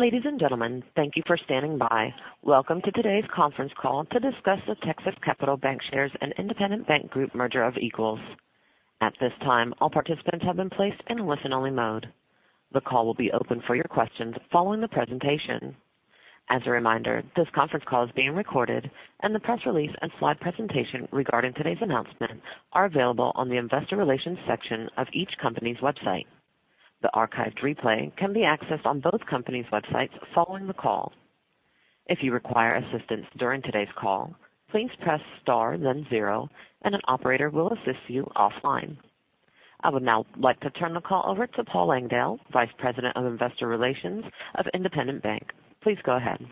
Ladies and gentlemen, thank you for standing by. Welcome to today's conference call to discuss the Texas Capital Bancshares and Independent Bank Group merger of equals. At this time, all participants have been placed in listen-only mode. The call will be open for your questions following the presentation. As a reminder, this conference call is being recorded and the press release and slide presentation regarding today's announcement are available on the investor relations section of each company's website. The archived replay can be accessed on both companies' websites following the call. If you require assistance during today's call, please press star then zero, and an operator will assist you offline. I would now like to turn the call over to Paul Langdale, Vice President of Investor Relations of Independent Bank. Please go ahead.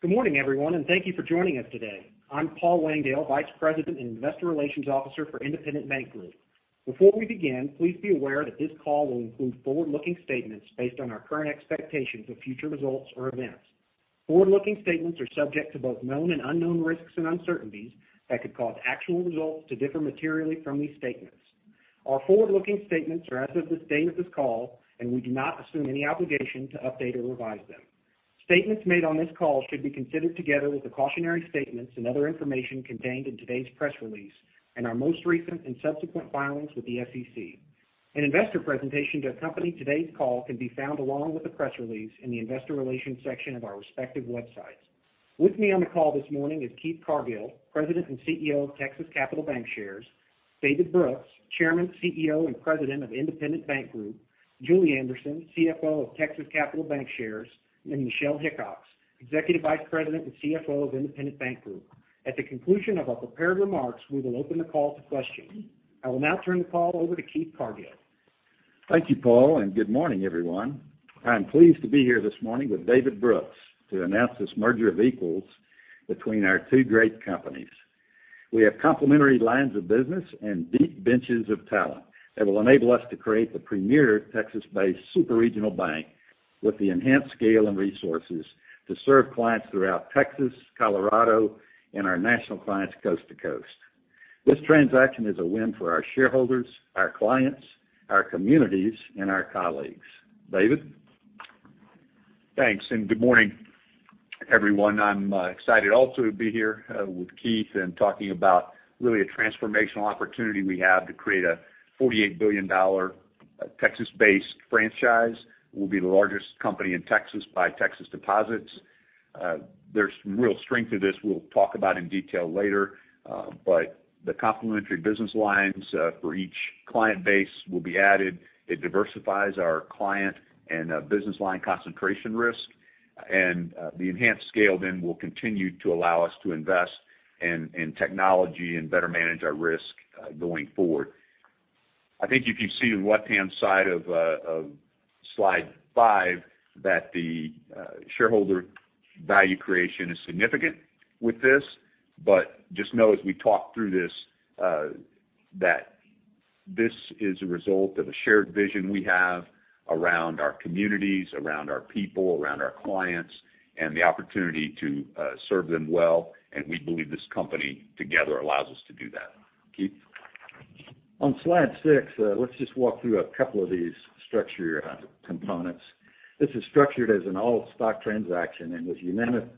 Good morning, everyone, and thank you for joining us today. I'm Paul Langdale, Vice President and Investor Relations Officer for Independent Bank Group. Before we begin, please be aware that this call will include forward-looking statements based on our current expectations of future results or events. Forward-looking statements are subject to both known and unknown risks and uncertainties that could cause actual results to differ materially from these statements. Our forward-looking statements are as of this date of this call, and we do not assume any obligation to update or revise them. Statements made on this call should be considered together with the cautionary statements and other information contained in today's press release and our most recent and subsequent filings with the SEC. An investor presentation to accompany today's call can be found along with the press release in the investor relations section of our respective websites. With me on the call this morning is Keith Cargill, President and CEO of Texas Capital Bancshares, David Brooks, Chairman, CEO, and President of Independent Bank Group, Julie Anderson, CFO of Texas Capital Bancshares, and Michelle Hickox, Executive Vice President and CFO of Independent Bank Group. At the conclusion of our prepared remarks, we will open the call to questions. I will now turn the call over to Keith Cargill. Thank you, Paul, and good morning, everyone. I'm pleased to be here this morning with David Brooks to announce this merger of equals between our two great companies. We have complementary lines of business and deep benches of talent that will enable us to create the premier Texas-based super regional bank with the enhanced scale and resources to serve clients throughout Texas, Colorado, and our national clients coast to coast. This transaction is a win for our shareholders, our clients, our communities, and our colleagues. David? Thanks, and good morning, everyone. I'm excited also to be here with Keith and talking about really a transformational opportunity we have to create a $48 billion Texas-based franchise. We'll be the largest company in Texas by Texas deposits. There's real strength to this, we'll talk about in detail later. The complementary business lines for each client base will be added. It diversifies our client and business line concentration risk, and the enhanced scale then will continue to allow us to invest in technology and better manage our risk going forward. I think if you see on the left-hand side of slide five that the shareholder value creation is significant with this. Just know as we talk through this, that this is a result of a shared vision we have around our communities, around our people, around our clients, and the opportunity to serve them well, and we believe this company together allows us to do that. Keith? On slide six, let's just walk through a couple of these structure components. This is structured as an all-stock transaction and was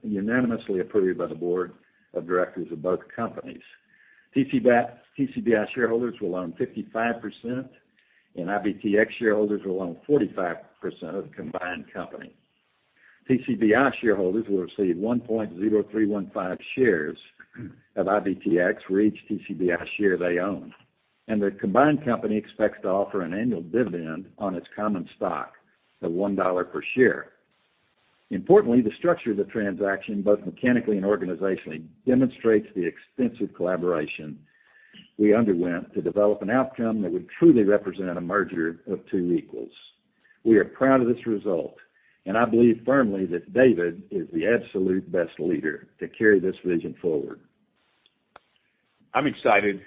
unanimously approved by the board of directors of both companies. TCBI shareholders will own 55%, and IBTX shareholders will own 45% of the combined company. TCBI shareholders will receive 1.0315 shares of IBTX for each TCBI share they own. The combined company expects to offer an annual dividend on its common stock of $1 per share. Importantly, the structure of the transaction, both mechanically and organizationally, demonstrates the extensive collaboration we underwent to develop an outcome that would truly represent a merger of two equals. We are proud of this result, and I believe firmly that David is the absolute best leader to carry this vision forward. I'm excited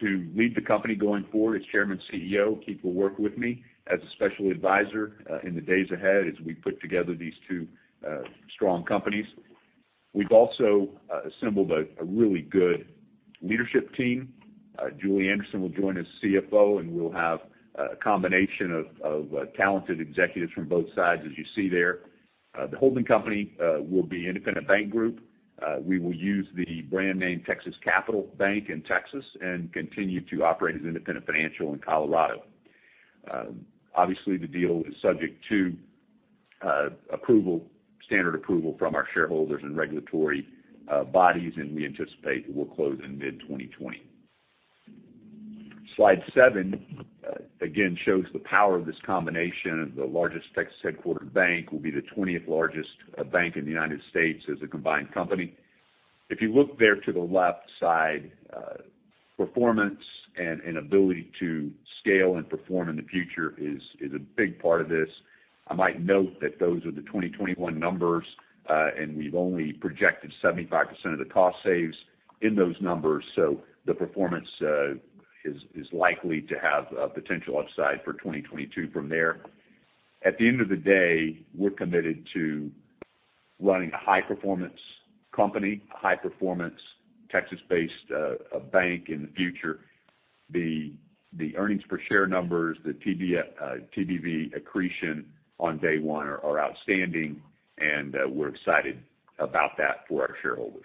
to lead the company going forward as Chairman, CEO. Keith will work with me as a special advisor in the days ahead as we put together these two strong companies. We've also assembled a really good leadership team. Julie Anderson will join as CFO, and we'll have a combination of talented executives from both sides, as you see there. The holding company will be Independent Bank Group. We will use the brand name Texas Capital Bank in Texas and continue to operate as Independent Financial in Colorado. Obviously, the deal is subject to standard approval from our shareholders and regulatory bodies, and we anticipate it will close in mid-2020. Slide seven, again, shows the power of this combination of the largest Texas-headquartered bank. We'll be the 20th largest bank in the United States as a combined company. If you look there to the left side, performance and ability to scale and perform in the future is a big part of this. I might note that those are the 2021 numbers, we've only projected 75% of the cost saves in those numbers. The performance is likely to have a potential upside for 2022 from there. At the end of the day, we're committed to running a high-performance company, a high-performance Texas-based bank in the future. The earnings per share numbers, the TBV accretion on day one are outstanding, we're excited about that for our shareholders.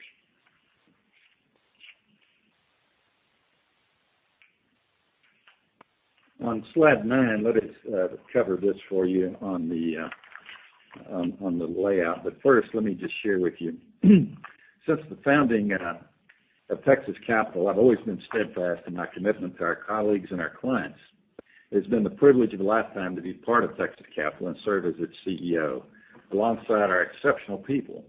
On slide nine, let us cover this for you on the layout. First, let me just share with you. Since the founding of Texas Capital, I've always been steadfast in my commitment to our colleagues and our clients. It has been the privilege of a lifetime to be part of Texas Capital and serve as its CEO, alongside our exceptional people.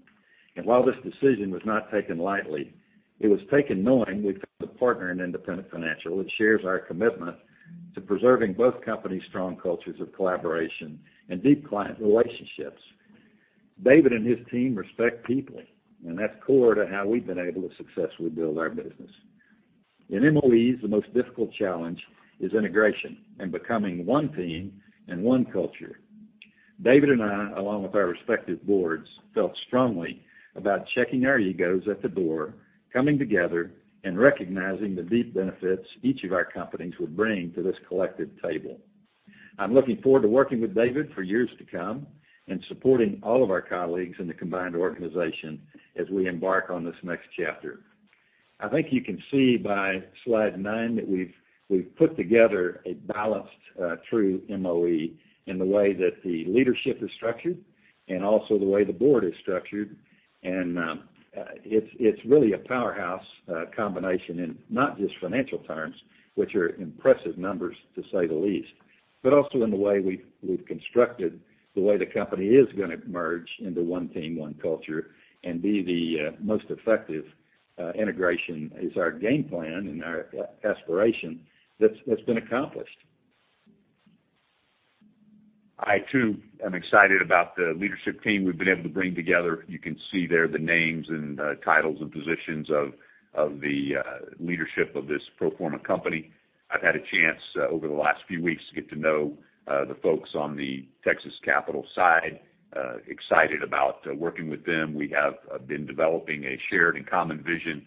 While this decision was not taken lightly, it was taken knowing we've got to partner an Independent Financial that shares our commitment to preserving both companies' strong cultures of collaboration and deep client relationships. David and his team respect people, and that's core to how we've been able to successfully build our business. In MOEs, the most difficult challenge is integration and becoming one team and one culture. David and I, along with our respective boards, felt strongly about checking our egos at the door, coming together, and recognizing the deep benefits each of our companies would bring to this collective table. I'm looking forward to working with David for years to come and supporting all of our colleagues in the combined organization as we embark on this next chapter. I think you can see by slide nine that we've put together a balanced through MOE in the way that the leadership is structured and also the way the board is structured. It's really a powerhouse combination in not just financial terms, which are impressive numbers, to say the least, but also in the way we've constructed the way the company is going to merge into one team, one culture, and be the most effective integration is our game plan and our aspiration that's been accomplished. I too am excited about the leadership team we've been able to bring together. You can see there the names and titles and positions of the leadership of this pro forma company. I've had a chance over the last few weeks to get to know the folks on the Texas Capital side. Excited about working with them. We have been developing a shared and common vision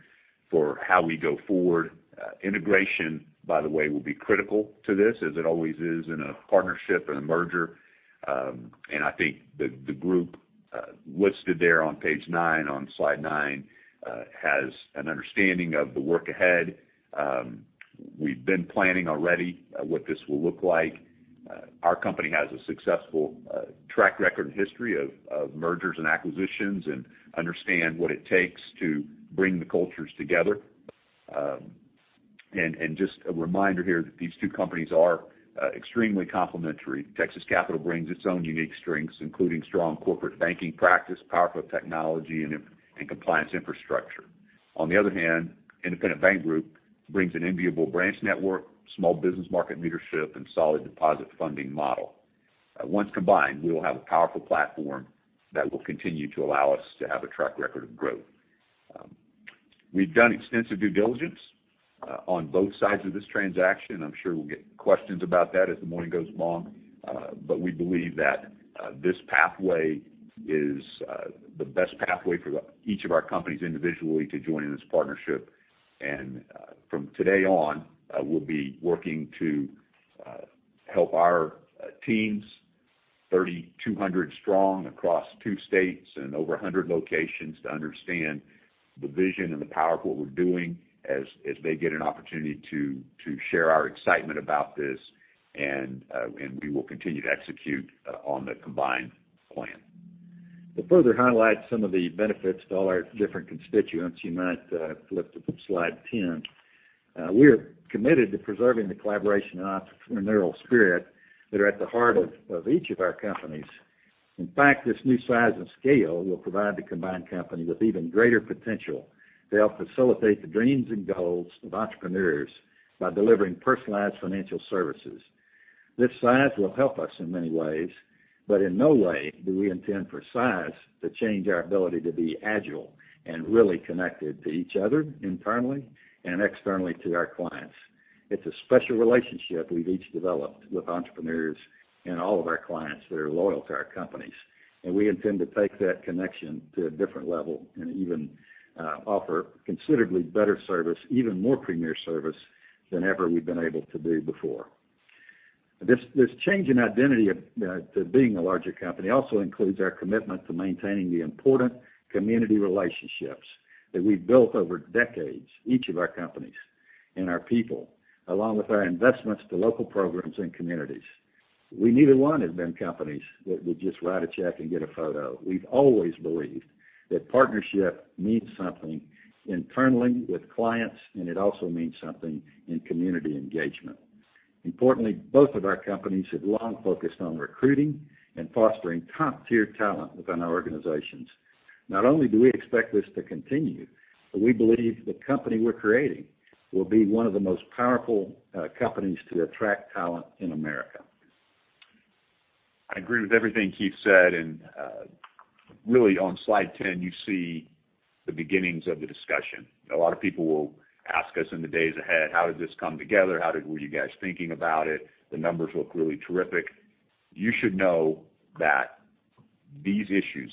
for how we go forward. Integration, by the way, will be critical to this, as it always is in a partnership and a merger. I think the group listed there on page nine, on slide nine, has an understanding of the work ahead. We've been planning already what this will look like. Our company has a successful track record and history of mergers and acquisitions and understand what it takes to bring the cultures together. Just a reminder here that these two companies are extremely complementary. Texas Capital brings its own unique strengths, including strong corporate banking practice, powerful technology, and compliance infrastructure. On the other hand, Independent Bank Group brings an enviable branch network, small business market leadership, and solid deposit funding model. Once combined, we will have a powerful platform that will continue to allow us to have a track record of growth. We've done extensive due diligence on both sides of this transaction. I'm sure we'll get questions about that as the morning goes along. We believe that this pathway is the best pathway for each of our companies individually to join in this partnership. From today on, we'll be working to help our teams, 3,200 strong across two states and over 100 locations, to understand the vision and the power of what we're doing as they get an opportunity to share our excitement about this, and we will continue to execute on the combined plan. To further highlight some of the benefits to all our different constituents, you might flip to slide 10. We are committed to preserving the collaboration and entrepreneurial spirit that are at the heart of each of our companies. This new size and scale will provide the combined company with even greater potential to help facilitate the dreams and goals of entrepreneurs by delivering personalized financial services. This size will help us in many ways, in no way do we intend for size to change our ability to be agile and really connected to each other internally and externally to our clients. It's a special relationship we've each developed with entrepreneurs and all of our clients that are loyal to our companies, and we intend to take that connection to a different level and even offer considerably better service, even more premier service than ever we've been able to do before. This change in identity to being a larger company also includes our commitment to maintaining the important community relationships that we've built over decades, each of our companies and our people, along with our investments to local programs and communities. We neither one have been companies that would just write a check and get a photo. We've always believed that partnership means something internally with clients, and it also means something in community engagement. Importantly, both of our companies have long focused on recruiting and fostering top-tier talent within our organizations. Not only do we expect this to continue, but we believe the company we're creating will be one of the most powerful companies to attract talent in America. I agree with everything Keith said. Really on slide 10, you see the beginnings of the discussion. A lot of people will ask us in the days ahead, how did this come together? How were you guys thinking about it? The numbers look really terrific. You should know that these issues,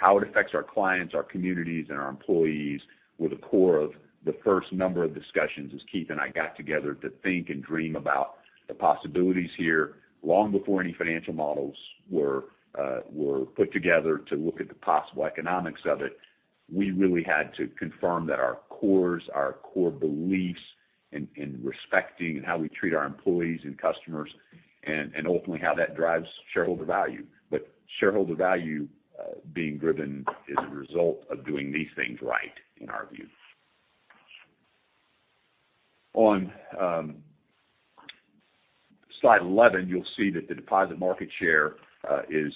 how it affects our clients, our communities, and our employees, were the core of the first number of discussions as Keith and I got together to think and dream about the possibilities here long before any financial models were put together to look at the possible economics of it. We really had to confirm that our cores, our core beliefs in respecting how we treat our employees and customers, and ultimately how that drives shareholder value, shareholder value being driven is a result of doing these things right, in our view. On slide 11, you'll see that the deposit market share is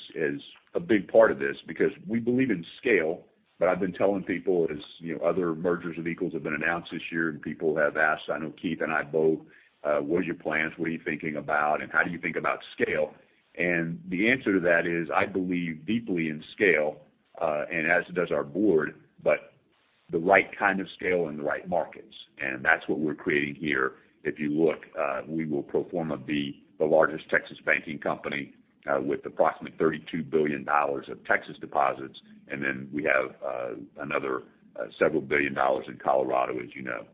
a big part of this because we believe in scale. I've been telling people as other mergers of equals have been announced this year, people have asked, I know Keith and I both, "What are your plans? What are you thinking about? How do you think about scale?" The answer to that is, I believe deeply in scale, and as does our board, but the right kind of scale in the right markets. That's what we're creating here. If you look, we will pro forma be the largest Texas banking company with approximately $32 billion of Texas deposits. Then we have another several billion dollars in Colorado, as you know.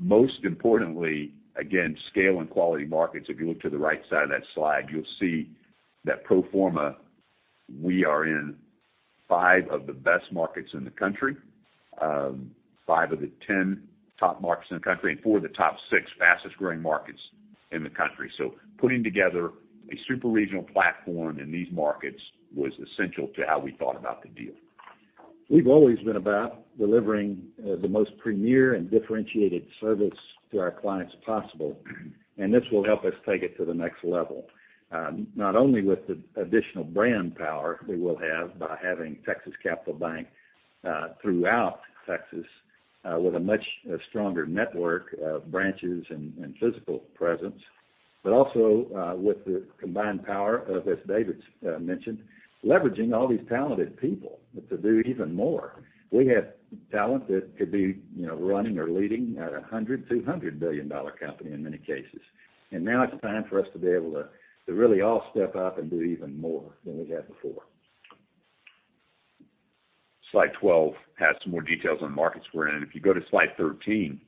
Most importantly, again, scale and quality markets. If you look to the right side of that slide, you'll see that pro forma, we are in five of the best markets in the country, five of the 10 top markets in the country, and four of the top six fastest-growing markets in the country. Putting together a super-regional platform in these markets was essential to how we thought about the deal. We've always been about delivering the most premier and differentiated service to our clients possible. This will help us take it to the next level. Not only with the additional brand power we will have by having Texas Capital Bank throughout Texas with a much stronger network of branches and physical presence, but also with the combined power of, as David's mentioned, leveraging all these talented people to do even more. We have talent that could be running or leading at a $100 billion, $200 billion company in many cases. Now it's time for us to be able to really all step up and do even more than we have before. Slide 12 has some more details on the markets we're in. If you go to slide 13,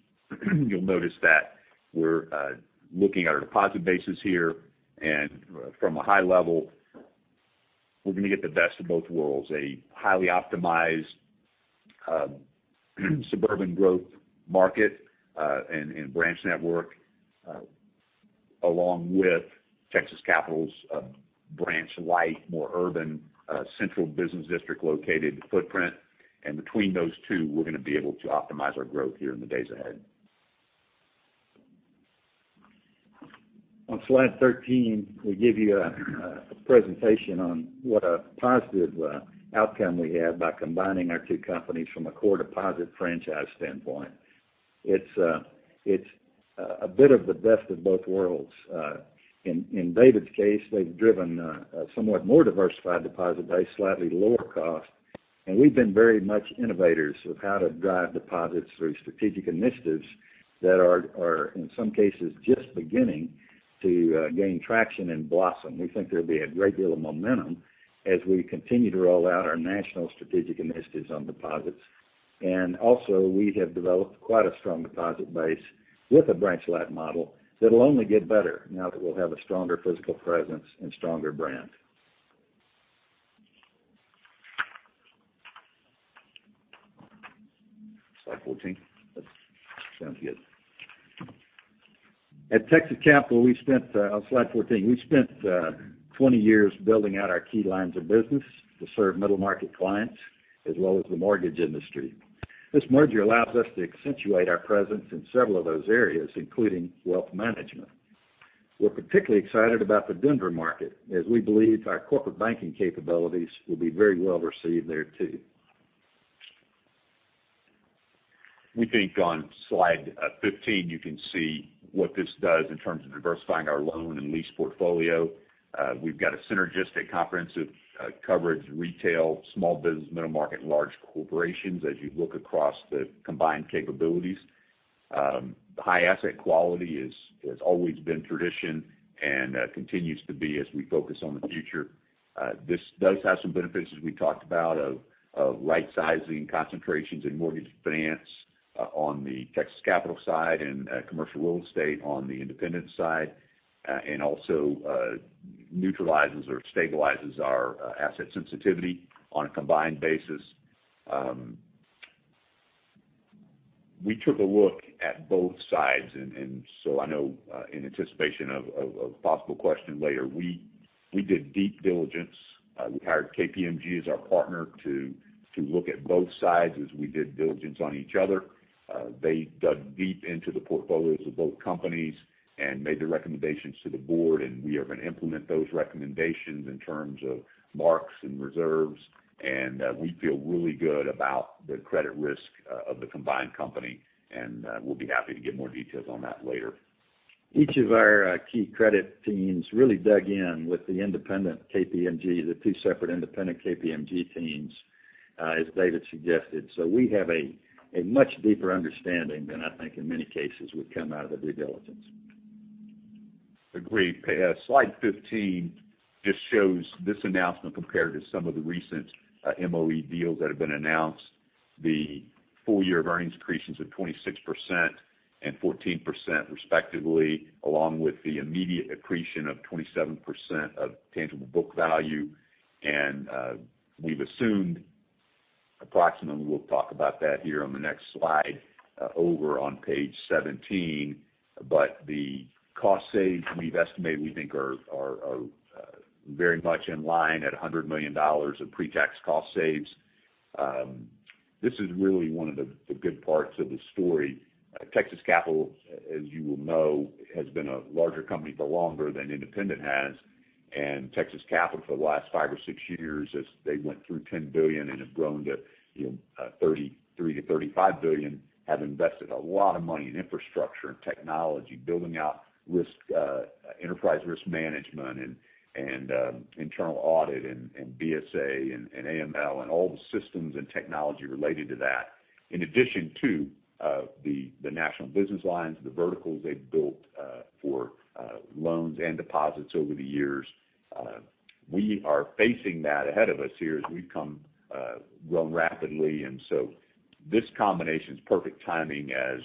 you'll notice that we're looking at our deposit bases here. From a high level, we're going to get the best of both worlds. A highly optimized suburban growth market and branch network, along with Texas Capital's branch-light, more urban, central business district-located footprint. Between those two, we're going to be able to optimize our growth here in the days ahead. On slide 13, we give you a presentation on what a positive outcome we have by combining our two companies from a core deposit franchise standpoint. It's a bit of the best of both worlds. In David's case, they've driven a somewhat more diversified deposit base, slightly lower cost. We've been very much innovators of how to drive deposits through strategic initiatives that are, in some cases, just beginning to gain traction and blossom. We think there'll be a great deal of momentum as we continue to roll out our national strategic initiatives on deposits. Also, we have developed quite a strong deposit base with a branch-light model that'll only get better now that we'll have a stronger physical presence and stronger brand. Slide 14. Sounds good. At Texas Capital, on slide 14, we spent 20 years building out our key lines of business to serve middle-market clients as well as the mortgage industry. This merger allows us to accentuate our presence in several of those areas, including wealth management. We're particularly excited about the Denver market, as we believe our corporate banking capabilities will be very well received there, too. We think on slide 15, you can see what this does in terms of diversifying our loan and lease portfolio. We've got a synergistic, comprehensive coverage, retail, small business, middle market, large corporations, as you look across the combined capabilities. High asset quality has always been tradition and continues to be as we focus on the future. This does have some benefits, as we talked about, of right-sizing concentrations in mortgage finance on the Texas Capital side and commercial real estate on the Independent side, also neutralizes or stabilizes our asset sensitivity on a combined basis. We took a look at both sides. I know in anticipation of a possible question later, we did deep diligence. We hired KPMG as our partner to look at both sides as we did diligence on each other. They dug deep into the portfolios of both companies and made the recommendations to the board, and we are going to implement those recommendations in terms of marks and reserves. We feel really good about the credit risk of the combined company, and we'll be happy to give more details on that later. Each of our key credit teams really dug in with the independent KPMG, the two separate independent KPMG teams, as David suggested. We have a much deeper understanding than I think in many cases would come out of the due diligence. Agreed. Slide 15 just shows this announcement compared to some of the recent MOE deals that have been announced. The full year of earnings accretions of 26% and 14% respectively, along with the immediate accretion of 27% of tangible book value. We've assumed approximately, we'll talk about that here on the next slide, over on page 17, but the cost saves we've estimated we think are very much in line at $100 million of pre-tax cost saves. This is really one of the good parts of the story. Texas Capital, as you will know, has been a larger company for longer than Independent has, and Texas Capital for the last five or six years as they went through $10 billion and have grown to $33 billion-$35 billion, have invested a lot of money in infrastructure and technology, building out enterprise risk management and internal audit and BSA and AML and all the systems and technology related to that, in addition to the national business lines, the verticals they've built for loans and deposits over the years. We are facing that ahead of us here as we've grown rapidly. This combination is perfect timing as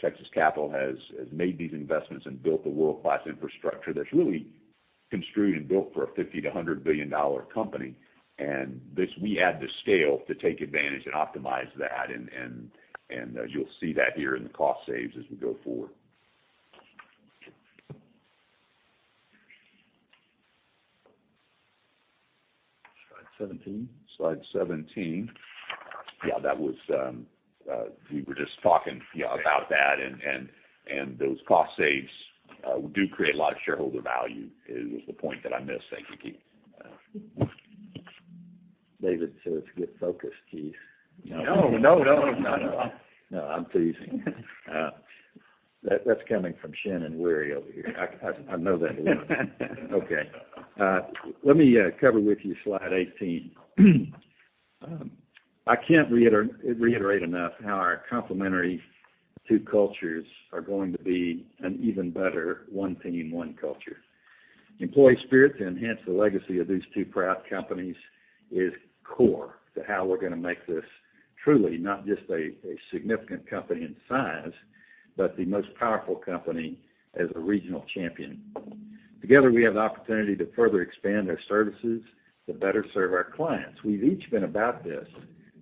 Texas Capital has made these investments and built the world-class infrastructure that's really construed and built for a $50 billion-$100 billion company. We add the scale to take advantage and optimize that, and as you'll see that here in the cost saves as we go forward. Slide 17. Slide 17. Yeah, we were just talking about that, and those cost saves do create a lot of shareholder value is the point that I missed. Thank you, Keith. David says, "Get focused, Keith. No, no, no, no. No, I'm teasing. That's coming from Shannon Wherry over here. I know that it is. Okay. Let me cover with you slide 18. I can't reiterate enough how our complementary two cultures are going to be an even better one team, one culture. Employee spirit to enhance the legacy of these two proud companies is core to how we're going to make this truly not just a significant company in size, but the most powerful company as a regional champion. Together, we have the opportunity to further expand our services to better serve our clients. We've each been about this,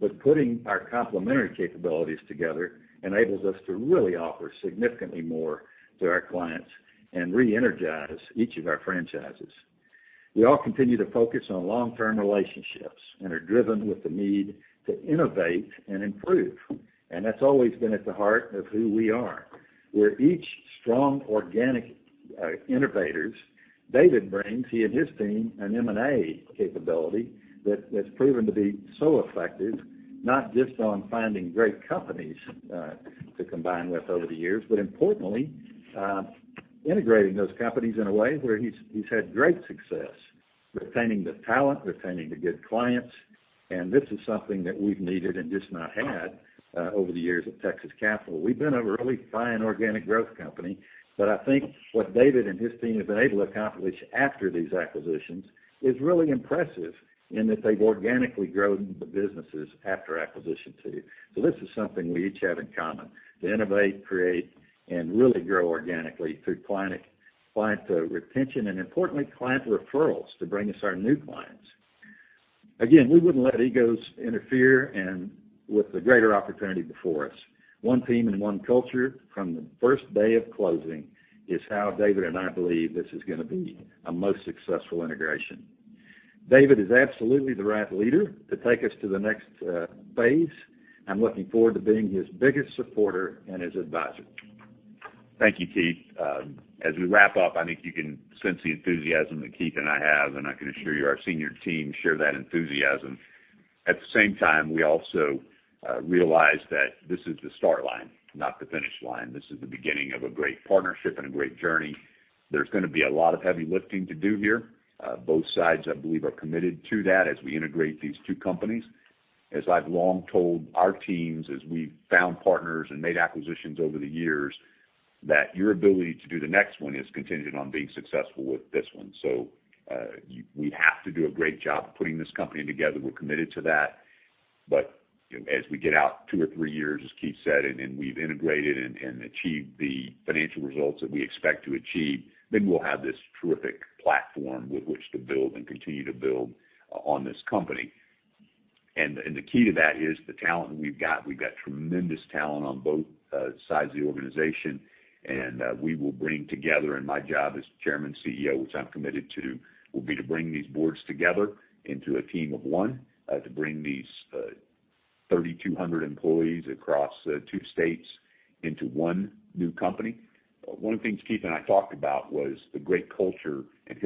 but putting our complementary capabilities together enables us to really offer significantly more to our clients and reenergize each of our franchises. We all continue to focus on long-term relationships and are driven with the need to innovate and improve, and that's always been at the heart of who we are. We're each strong organic innovators. David brings, he and his team, an M&A capability that's proven to be so effective, not just on finding great companies to combine with over the years, but importantly, integrating those companies in a way where he's had great success retaining the talent, retaining the good clients, and this is something that we've needed and just not had over the years at Texas Capital. We've been a really fine organic growth company, but I think what David and his team have been able to accomplish after these acquisitions is really impressive in that they've organically grown the businesses after acquisition, too. This is something we each have in common, to innovate, create, and really grow organically through client retention and importantly, client referrals to bring us our new clients. Again, we wouldn't let egos interfere with the greater opportunity before us. One team and one culture from the first day of closing is how David and I believe this is going to be a most successful integration. David is absolutely the right leader to take us to the next phase. I'm looking forward to being his biggest supporter and his advisor. Thank you, Keith. As we wrap up, I think you can sense the enthusiasm that Keith and I have, and I can assure you our senior team share that enthusiasm. At the same time, we also realize that this is the start line, not the finish line. This is the beginning of a great partnership and a great journey. There's going to be a lot of heavy lifting to do here. Both sides, I believe, are committed to that as we integrate these two companies. As I've long told our teams, as we've found partners and made acquisitions over the years, that your ability to do the next one is contingent on being successful with this one. We have to do a great job of putting this company together. We're committed to that. As we get out two or three years, as Keith said, and we've integrated and achieved the financial results that we expect to achieve, then we'll have this terrific platform with which to build and continue to build on this company. The key to that is the talent we've got. We've got tremendous talent on both sides of the organization, and we will bring together, and my job as Chairman, CEO, which I'm committed to, will be to bring these boards together into a team of one, to bring these 3,200 employees across the two states into one new company. One of the things Keith and I talked about was the great culture and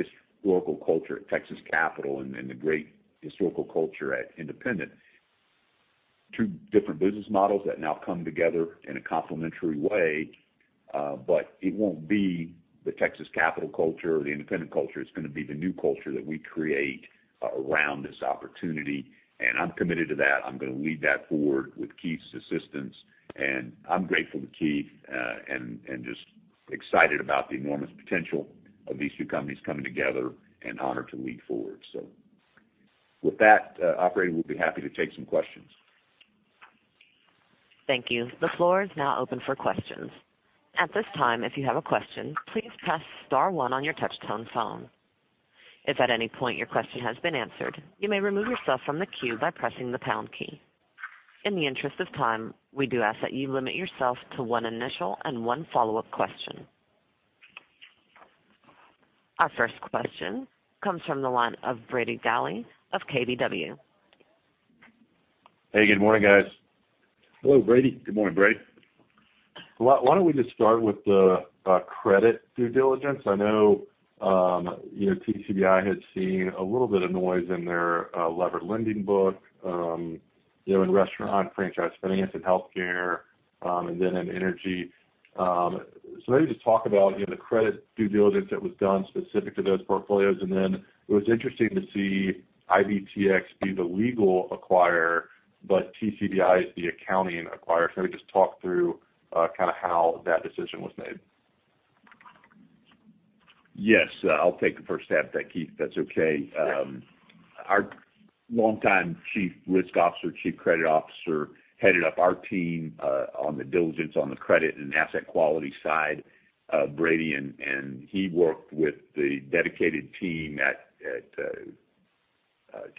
historical culture at Texas Capital and the great historical culture at Independent. Two different business models that now come together in a complementary way, but it won't be the Texas Capital culture or the Independent culture. It's going to be the new culture that we create around this opportunity, and I'm committed to that. I'm going to lead that forward with Keith's assistance, and I'm grateful to Keith, and just excited about the enormous potential of these two companies coming together, and honored to lead forward. With that, operator, we'll be happy to take some questions. Thank you. The floor is now open for questions. At this time, if you have a question, please press star one on your touch-tone phone. If at any point your question has been answered, you may remove yourself from the queue by pressing the pound key. In the interest of time, we do ask that you limit yourself to one initial and one follow-up question. Our first question comes from the line of Brady Gailey of KBW. Hey, good morning, guys. Hello, Brady. Good morning, Brady. Why don't we just start with the credit due diligence? I know TCBI had seen a little bit of noise in their leveraged lending book, in restaurant franchise financing, healthcare, and then in energy. Maybe just talk about the credit due diligence that was done specific to those portfolios, and then it was interesting to see IBTX be the legal acquirer, but TCBI is the accounting acquirer. Can we just talk through kind of how that decision was made? Yes. I'll take the first stab at that, Keith, if that's okay. Yes. Our longtime chief risk officer, chief credit officer, headed up our team on the diligence on the credit and asset quality side, Brady, and he worked with the dedicated team at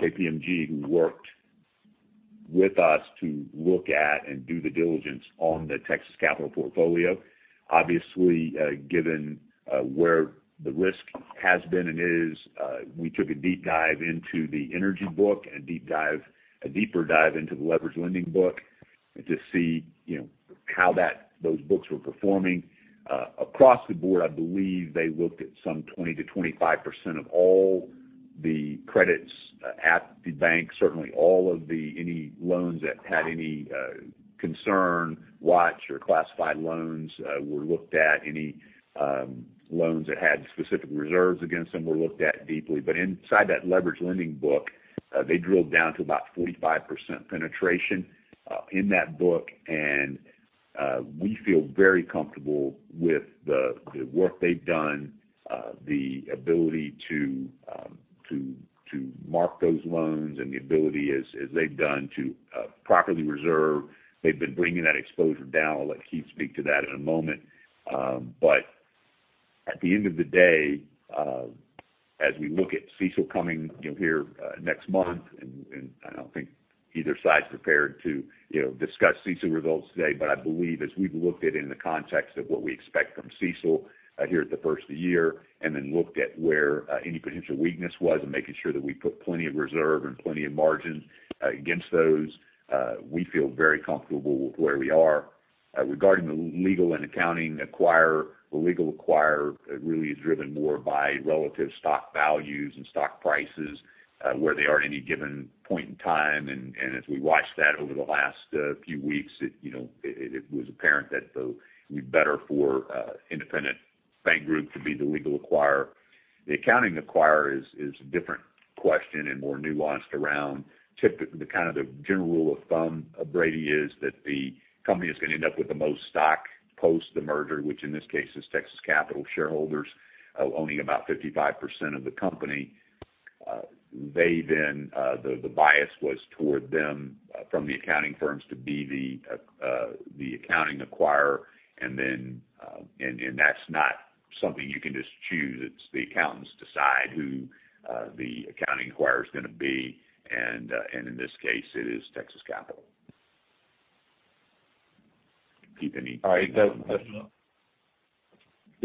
KPMG, who worked with us to look at and do the diligence on the Texas Capital portfolio. Obviously, given where the risk has been and is, we took a deep dive into the energy book and a deeper dive into the leveraged lending book to see how those books were performing. Across the board, I believe they looked at some 20%-25% of all the credits at the bank. Certainly, any loans that had any concern, watch, or classified loans were looked at. Any loans that had specific reserves against them were looked at deeply. Inside that leveraged lending book, they drilled down to about 45% penetration in that book, and we feel very comfortable with the work they've done, the ability to mark those loans, and the ability, as they've done, to properly reserve. They've been bringing that exposure down. I'll let Keith speak to that in a moment. At the end of the day, as we look at CECL coming in here next month, and I don't think either side's prepared to discuss CECL results today, but I believe as we've looked at it in the context of what we expect from CECL here at the first of the year, and then looked at where any potential weakness was and making sure that we put plenty of reserve and plenty of margin against those, we feel very comfortable with where we are. Regarding the legal and accounting acquirer, the legal acquirer really is driven more by relative stock values and stock prices, where they are at any given point in time. As we watched that over the last few weeks, it was apparent that it would be better for Independent Bank Group to be the legal acquirer. The accounting acquirer is a different question and more nuanced around. The kind of general rule of thumb, Brady, is that the company that's going to end up with the most stock post the merger, which in this case is Texas Capital shareholders owning about 55% of the company. The bias was toward them from the accounting firms to be the accounting acquirer. That's not something you can just choose. It's the accountants decide who the accounting acquirer is going to be. In this case, it is Texas Capital. Keith. All right. That's helpful.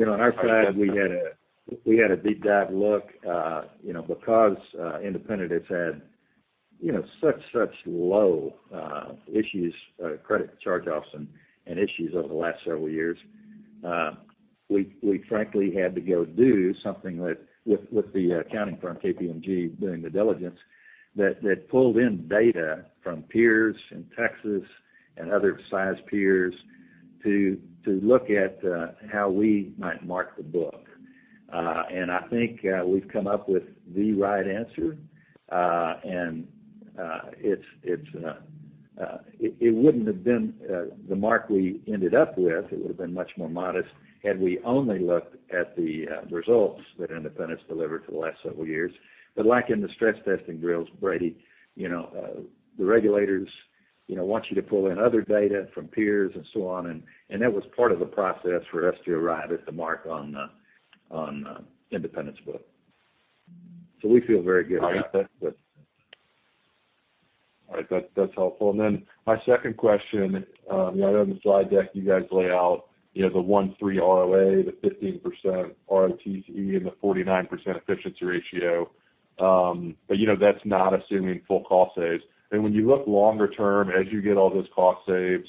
On our side, we had a deep dive look because Independent has had such low issues, credit charge-offs, and issues over the last several years. We frankly had to go do something with the accounting firm, KPMG, doing the diligence that pulled in data from peers in Texas and other sized peers to look at how we might mark the book. I think we've come up with the right answer. The mark we ended up with, it would've been much more modest had we only looked at the results that Independent's delivered for the last several years. Like in the stress testing drills, Brady, the regulators want you to pull in other data from peers and so on. That was part of the process for us to arrive at the mark on Independent's book. We feel very good about that. All right. That's helpful. My second question, on the slide deck, you guys lay out the 1.3% ROA, the 15% ROTCE, and the 49% efficiency ratio. That's not assuming full cost saves. When you look longer term, as you get all those cost saves,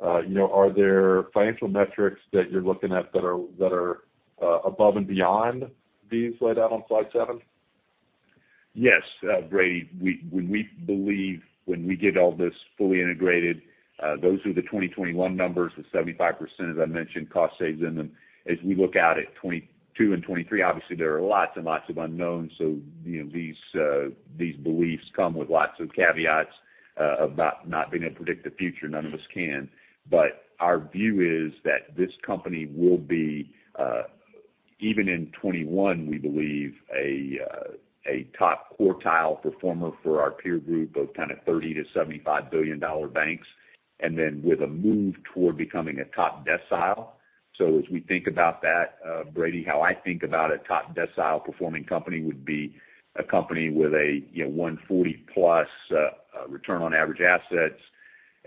are there financial metrics that you're looking at that are above and beyond these laid out on slide seven? Yes, Brady. We believe when we get all this fully integrated, those are the 2021 numbers with 75%, as I mentioned, cost saves in them. We look out at 2022 and 2023, obviously, there are lots and lots of unknowns. These beliefs come with lots of caveats about not being able to predict the future. None of us can. Our view is that this company will be, even in 2021, we believe, a top quartile performer for our peer group of kind of $30 billion-$75 billion banks, and then with a move toward becoming a top decile. As we think about that, Brady, how I think about a top decile performing company would be a company with a 140+ return on average assets,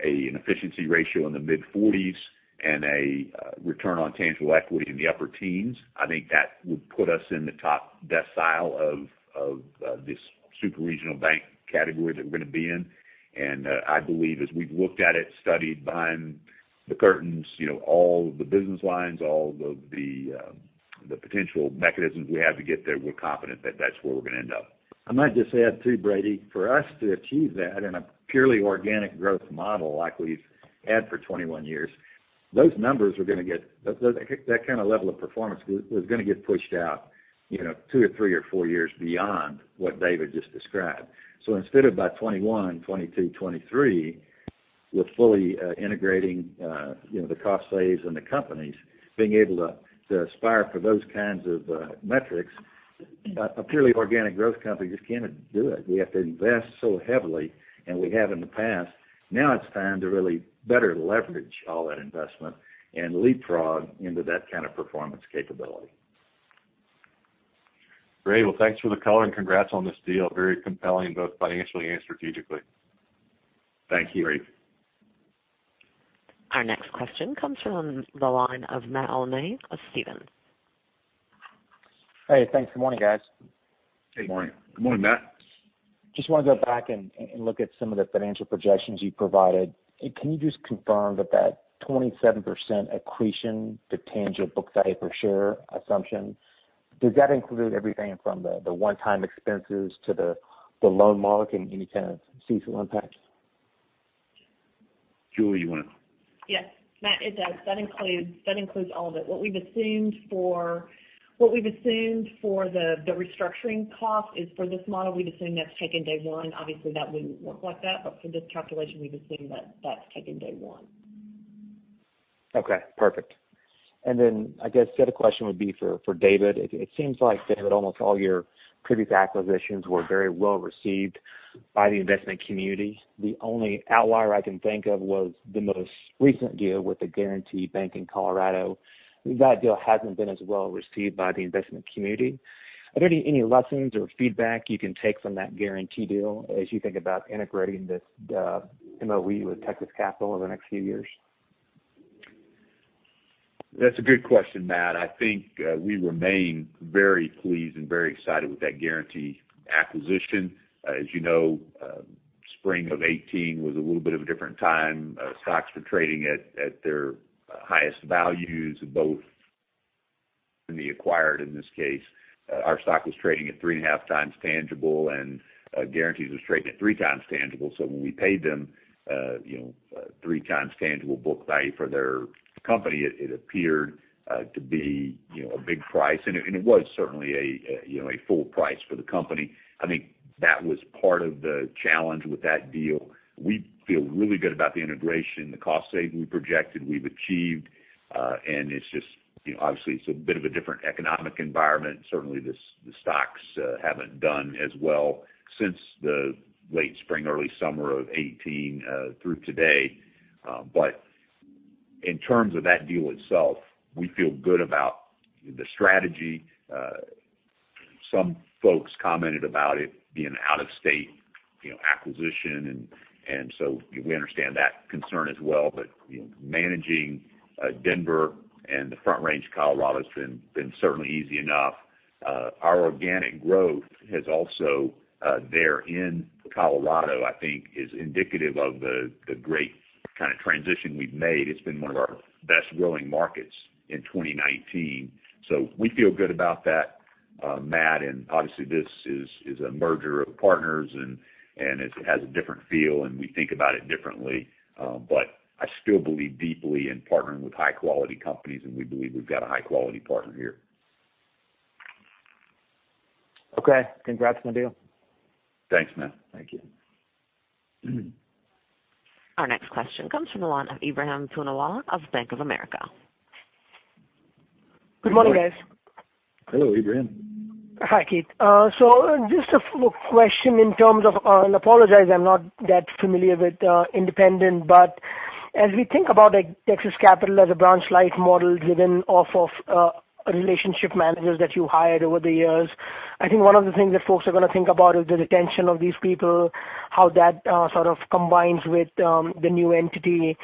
an efficiency ratio in the mid-40s, and a return on tangible equity in the upper teens. I think that would put us in the top decile of this super-regional bank category that we're going to be in. I believe as we've looked at it, studied behind the curtains, all the business lines, all of the potential mechanisms we have to get there, we're confident that that's where we're going to end up. I might just add, too, Brady, for us to achieve that in a purely organic growth model like we've had for 21 years, that kind of level of performance was going to get pushed out two or three or four years beyond what David just described. Instead of by 2021, 2022, 2023, with fully integrating the cost saves and the companies, being able to aspire for those kinds of metrics, a purely organic growth company just cannot do it. We have to invest so heavily, and we have in the past. Now it's time to really better leverage all that investment and leapfrog into that kind of performance capability. Great. Well, thanks for the color and congrats on this deal. Very compelling, both financially and strategically. Thank you. Great. Our next question comes from the line of Matt Olney of Stephens. Hey, thanks. Good morning, guys. Good morning. Good morning, Matt. Want to go back and look at some of the financial projections you provided. Can you just confirm that that 27% accretion to tangible book value per share assumption, does that include everything from the one-time expenses to the loan marking, any kind of CECL impacts? Julie, you want to. Yes, Matt, it does. That includes all of it. What we've assumed for the restructuring cost is for this model, we've assumed that's taken day one. Obviously, that wouldn't work like that, but for this calculation, we've assumed that that's taken day one. Okay, perfect. I guess the other question would be for David. It seems like, David, almost all your previous acquisitions were very well received by the investment community. The only outlier I can think of was the most recent deal with the Guaranty Bank in Colorado. That deal hasn't been as well received by the investment community. Are there any lessons or feedback you can take from that Guaranty deal as you think about integrating this MOU with Texas Capital in the next few years? That's a good question, Matt. I think we remain very pleased and very excited with that Guaranty acquisition. As you know, spring of 2018 was a little bit of a different time. Stocks were trading at their highest values, both to be acquired, in this case. Our stock was trading at three and a half times tangible, and Guaranty's was trading at three times tangible. When we paid them three times tangible book value for their company, it appeared to be a big price. It was certainly a full price for the company. I think that was part of the challenge with that deal. We feel really good about the integration, the cost saving we projected, we've achieved. Obviously, it's a bit of a different economic environment. Certainly, the stocks haven't done as well since the late spring, early summer of 2018 through today. In terms of that deal itself, we feel good about the strategy. Some folks commented about it being an out-of-state acquisition, we understand that concern as well. Managing Denver and the Front Range of Colorado has been certainly easy enough. Our organic growth there in Colorado, I think, is indicative of the great kind of transition we've made. It's been one of our best growing markets in 2019. We feel good about that, Matt. Obviously, this is a merger of partners, and it has a different feel, and we think about it differently. I still believe deeply in partnering with high-quality companies, and we believe we've got a high-quality partner here. Okay. Congrats on the deal. Thanks, Matt. Thank you. Our next question comes from the line of Ebrahim Poonawala of Bank of America. Good morning, guys. Hello, Ebrahim. Hi, Keith. Just a quick question in terms of, and apologize, I'm not that familiar with Independent, but as we think about Texas Capital as a branch-light model driven off of relationship managers that you hired over the years, I think one of the things that folks are going to think about is the retention of these people, how that sort of combines with the new entity.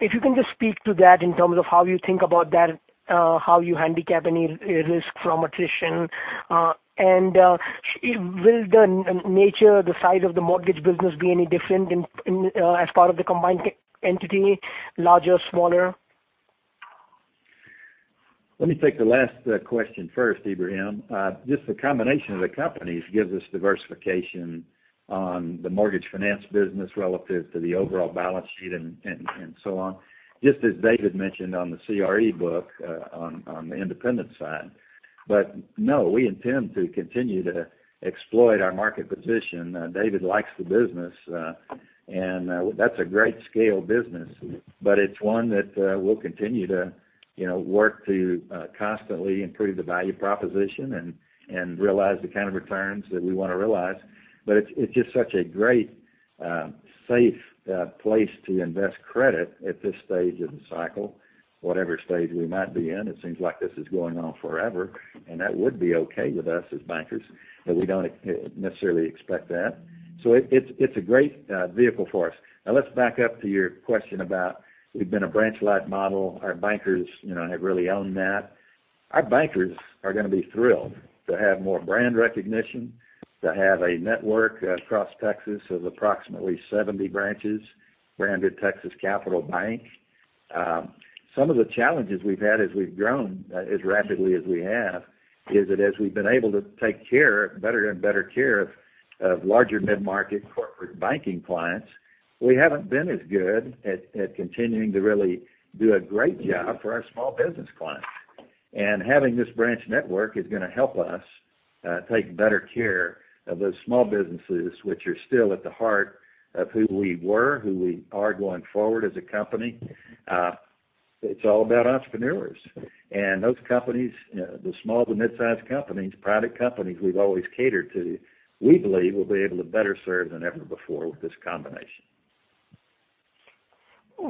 If you can just speak to that in terms of how you think about that, how you handicap any risk from attrition. Will the nature, the size of the mortgage business be any different as part of the combined entity, larger, smaller? Let me take the last question first, Ebrahim. Just the combination of the companies gives us diversification on the mortgage finance business relative to the overall balance sheet, and so on. Just as David mentioned on the CRE book, on the Independent side. No, we intend to continue to exploit our market position. David likes the business, and that's a great scale business. It's one that we'll continue to work to constantly improve the value proposition and realize the kind of returns that we want to realize. It's just such a great, safe place to invest credit at this stage of the cycle, whatever stage we might be in. It seems like this is going on forever, and that would be okay with us as bankers, but we don't necessarily expect that. It's a great vehicle for us. Let's back up to your question about we've been a branch-light model. Our bankers have really owned that. Our bankers are going to be thrilled to have more brand recognition, to have a network across Texas of approximately 70 branches branded Texas Capital Bank. Some of the challenges we've had as we've grown as rapidly as we have, is that as we've been able to take better and better care of larger mid-market corporate banking clients, we haven't been as good at continuing to really do a great job for our small business clients. Having this branch network is going to help us take better care of those small businesses, which are still at the heart of who we were, who we are going forward as a company. It's all about entrepreneurs. Those companies, the small to midsize companies, private companies we've always catered to, we believe we'll be able to better serve than ever before with this combination.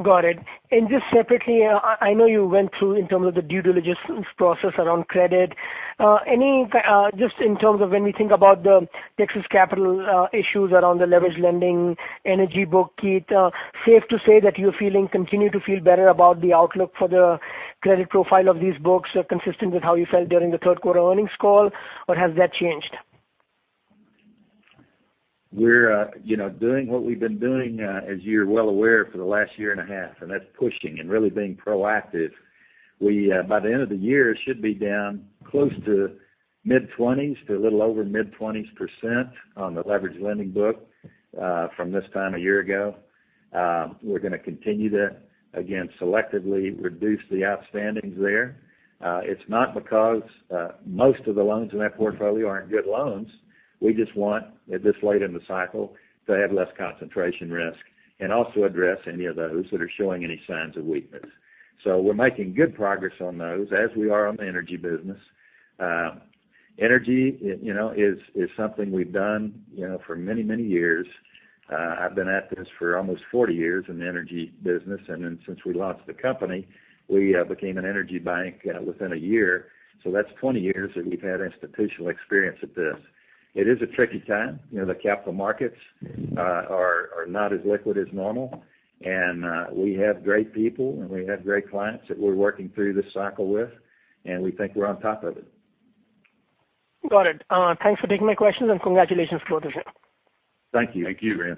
Got it. Just separately, I know you went through in terms of the due diligence process around credit. Just in terms of when we think about the Texas Capital issues around the leveraged lending energy book, Keith, safe to say that you're feeling, continue to feel better about the outlook for the credit profile of these books are consistent with how you felt during the third quarter earnings call, or has that changed? We're doing what we've been doing, as you're well aware, for the last year and a half, that's pushing and really being proactive. By the end of the year, it should be down close to mid-20s to a little over mid-20s% on the leverage lending book from this time a year ago. We're going to continue to, again, selectively reduce the outstandings there. It's not because most of the loans in that portfolio aren't good loans. We just want, this late in the cycle, to have less concentration risk and also address any of those that are showing any signs of weakness. We're making good progress on those as we are on the energy business. Energy is something we've done for many, many years. I've been at this for almost 40 years in the energy business. Since we launched the company, we became an energy bank within a year. That's 20 years that we've had institutional experience at this. It is a tricky time. The capital markets are not as liquid as normal. We have great people, and we have great clients that we're working through this cycle with, and we think we're on top of it. Got it. Thanks for taking my questions. Congratulations for the deal. Thank you. Thank you, Ebrahim.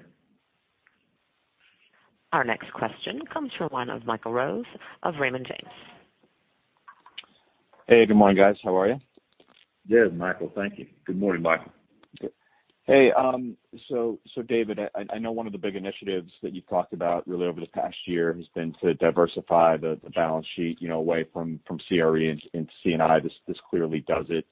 Our next question comes from the line of Michael Rose of Raymond James. Hey, good morning, guys. How are you? Good, Michael. Thank you. Good morning, Michael. Hey David, I know one of the big initiatives that you've talked about really over this past year has been to diversify the balance sheet away from CRE into C&I. This clearly does it.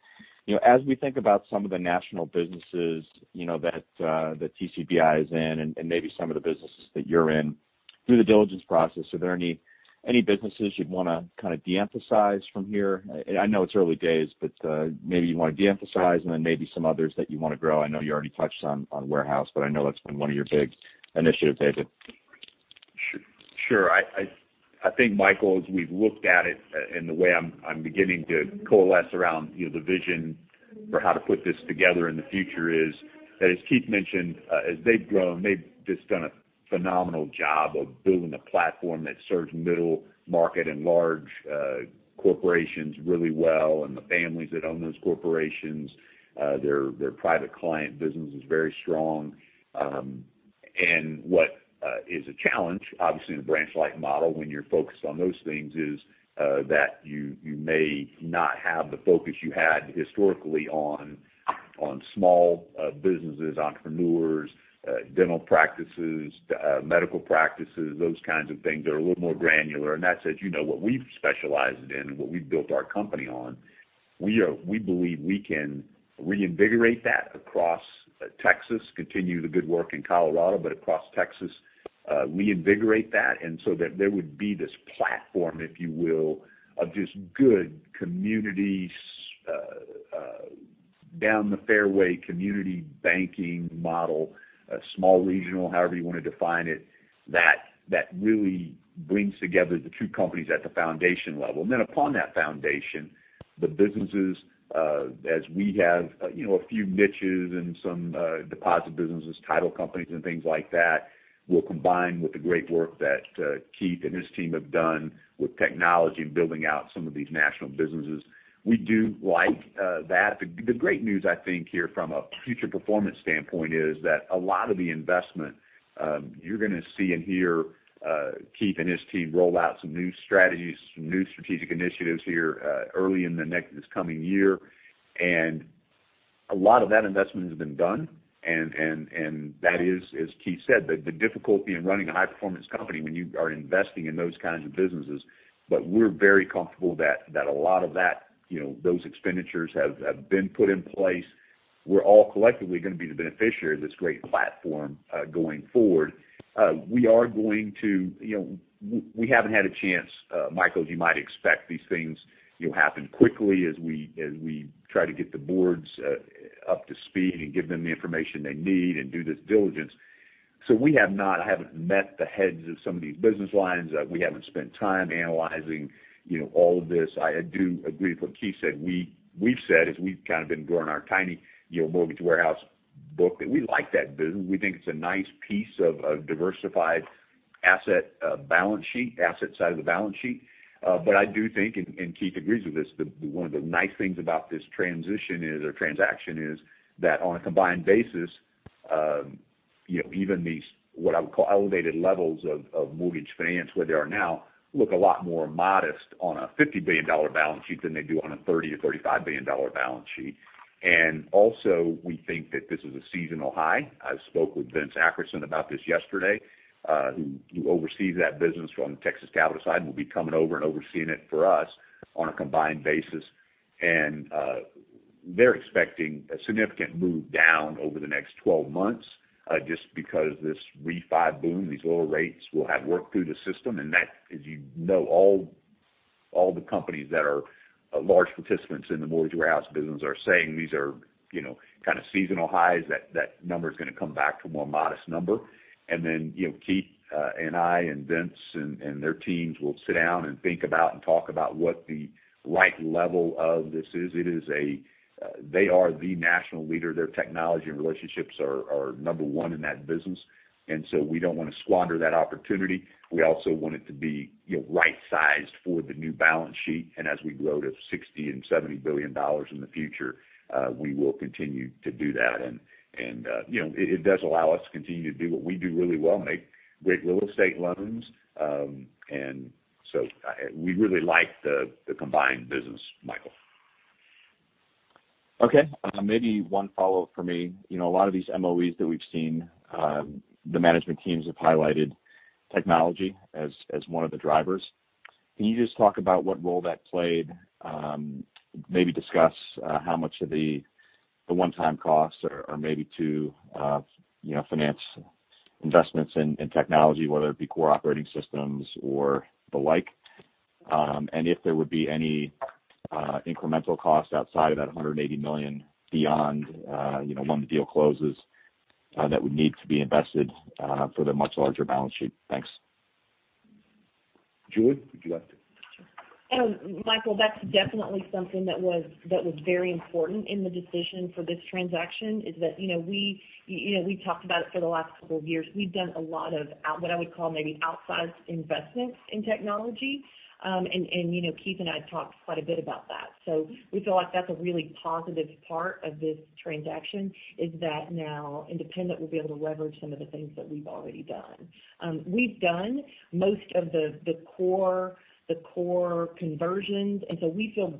As we think about some of the national businesses that TCBI is in and maybe some of the businesses that you're in through the diligence process, are there any businesses you'd want to kind of de-emphasize from here? I know it's early days, but maybe you want to de-emphasize and then maybe some others that you want to grow. I know you already touched on warehouse, but I know that's been one of your big initiatives, David. Sure. I think, Michael, as we've looked at it and the way I'm beginning to coalesce around the vision for how to put this together in the future is that, as Keith mentioned, as they've grown, they've just done a phenomenal job of building a platform that serves middle market and large corporations really well and the families that own those corporations. Their private client business is very strong. What is a challenge, obviously, in a branch-light model when you're focused on those things, is that you may not have the focus you had historically on small businesses, entrepreneurs, dental practices, medical practices, those kinds of things that are a little more granular. That said, what we've specialized in and what we've built our company on, we believe we can reinvigorate that across Texas, continue the good work in Colorado, but across Texas, reinvigorate that and so that there would be this platform, if you will, of just good communities, down the fairway community banking model, small regional, however you want to define it, that really brings together the two companies at the foundation level. Then upon that foundation, the businesses as we have a few niches and some deposit businesses, title companies, and things like that, will combine with the great work that Keith and his team have done with technology and building out some of these national businesses. We do like that. The great news, I think, here from a future performance standpoint is that a lot of the investment you're going to see and hear Keith and his team roll out some new strategies, some new strategic initiatives here early in this coming year. A lot of that investment has been done, and that is, as Keith said, the difficulty in running a high-performance company when you are investing in those kinds of businesses. We're very comfortable that a lot of those expenditures have been put in place. We're all collectively going to be the beneficiary of this great platform going forward. We haven't had a chance, Michael, as you might expect, these things happen quickly as we try to get the boards up to speed and give them the information they need and do this diligence. We have not, I haven't met the heads of some of these business lines. We haven't spent time analyzing all of this. I do agree with what Keith said. We've said as we've kind of been growing our tiny Mortgage Warehouse book, that we like that business. We think it's a nice piece of a diversified asset side of the balance sheet. I do think, and Keith agrees with this, that one of the nice things about this transition is, or transaction is, that on a combined basis, even these, what I would call elevated levels of mortgage finance, where they are now look a lot more modest on a $50 billion balance sheet than they do on a $30 billion-$35 billion balance sheet. Also, we think that this is a seasonal high. I spoke with Vince Ackerson about this yesterday, who oversees that business from the Texas Capital side, and will be coming over and overseeing it for us on a combined basis. They're expecting a significant move down over the next 12 months, just because this refi boom, these lower rates will have worked through the system. That as you know, all the companies that are large participants in the Mortgage Warehouse business are saying these are kind of seasonal highs. That number's going to come back to a more modest number. Keith and I and Vince and their teams will sit down and think about and talk about what the right level of this is. They are the national leader. Their technology and relationships are number one in that business, so we don't want to squander that opportunity. We also want it to be right-sized for the new balance sheet. As we grow to $60 billion and $70 billion in the future, we will continue to do that. It does allow us to continue to do what we do really well, make great real estate loans. We really like the combined business, Michael. Okay. Maybe one follow-up for me. A lot of these MOEs that we've seen, the management teams have highlighted technology as one of the drivers. Can you just talk about what role that played? Maybe discuss how much of the one-time costs are maybe to finance investments in technology, whether it be core operating systems or the like. If there would be any incremental cost outside of that $180 million beyond when the deal closes that would need to be invested for the much larger balance sheet. Thanks. Julie, would you like to? Michael, that's definitely something that was very important in the decision for this transaction, is that we've talked about it for the last couple of years. We've done a lot of what I would call maybe outsized investments in technology. Keith and I have talked quite a bit about that. We feel like that's a really positive part of this transaction, is that now Independent will be able to leverage some of the things that we've already done. We've done most of the core conversions, we feel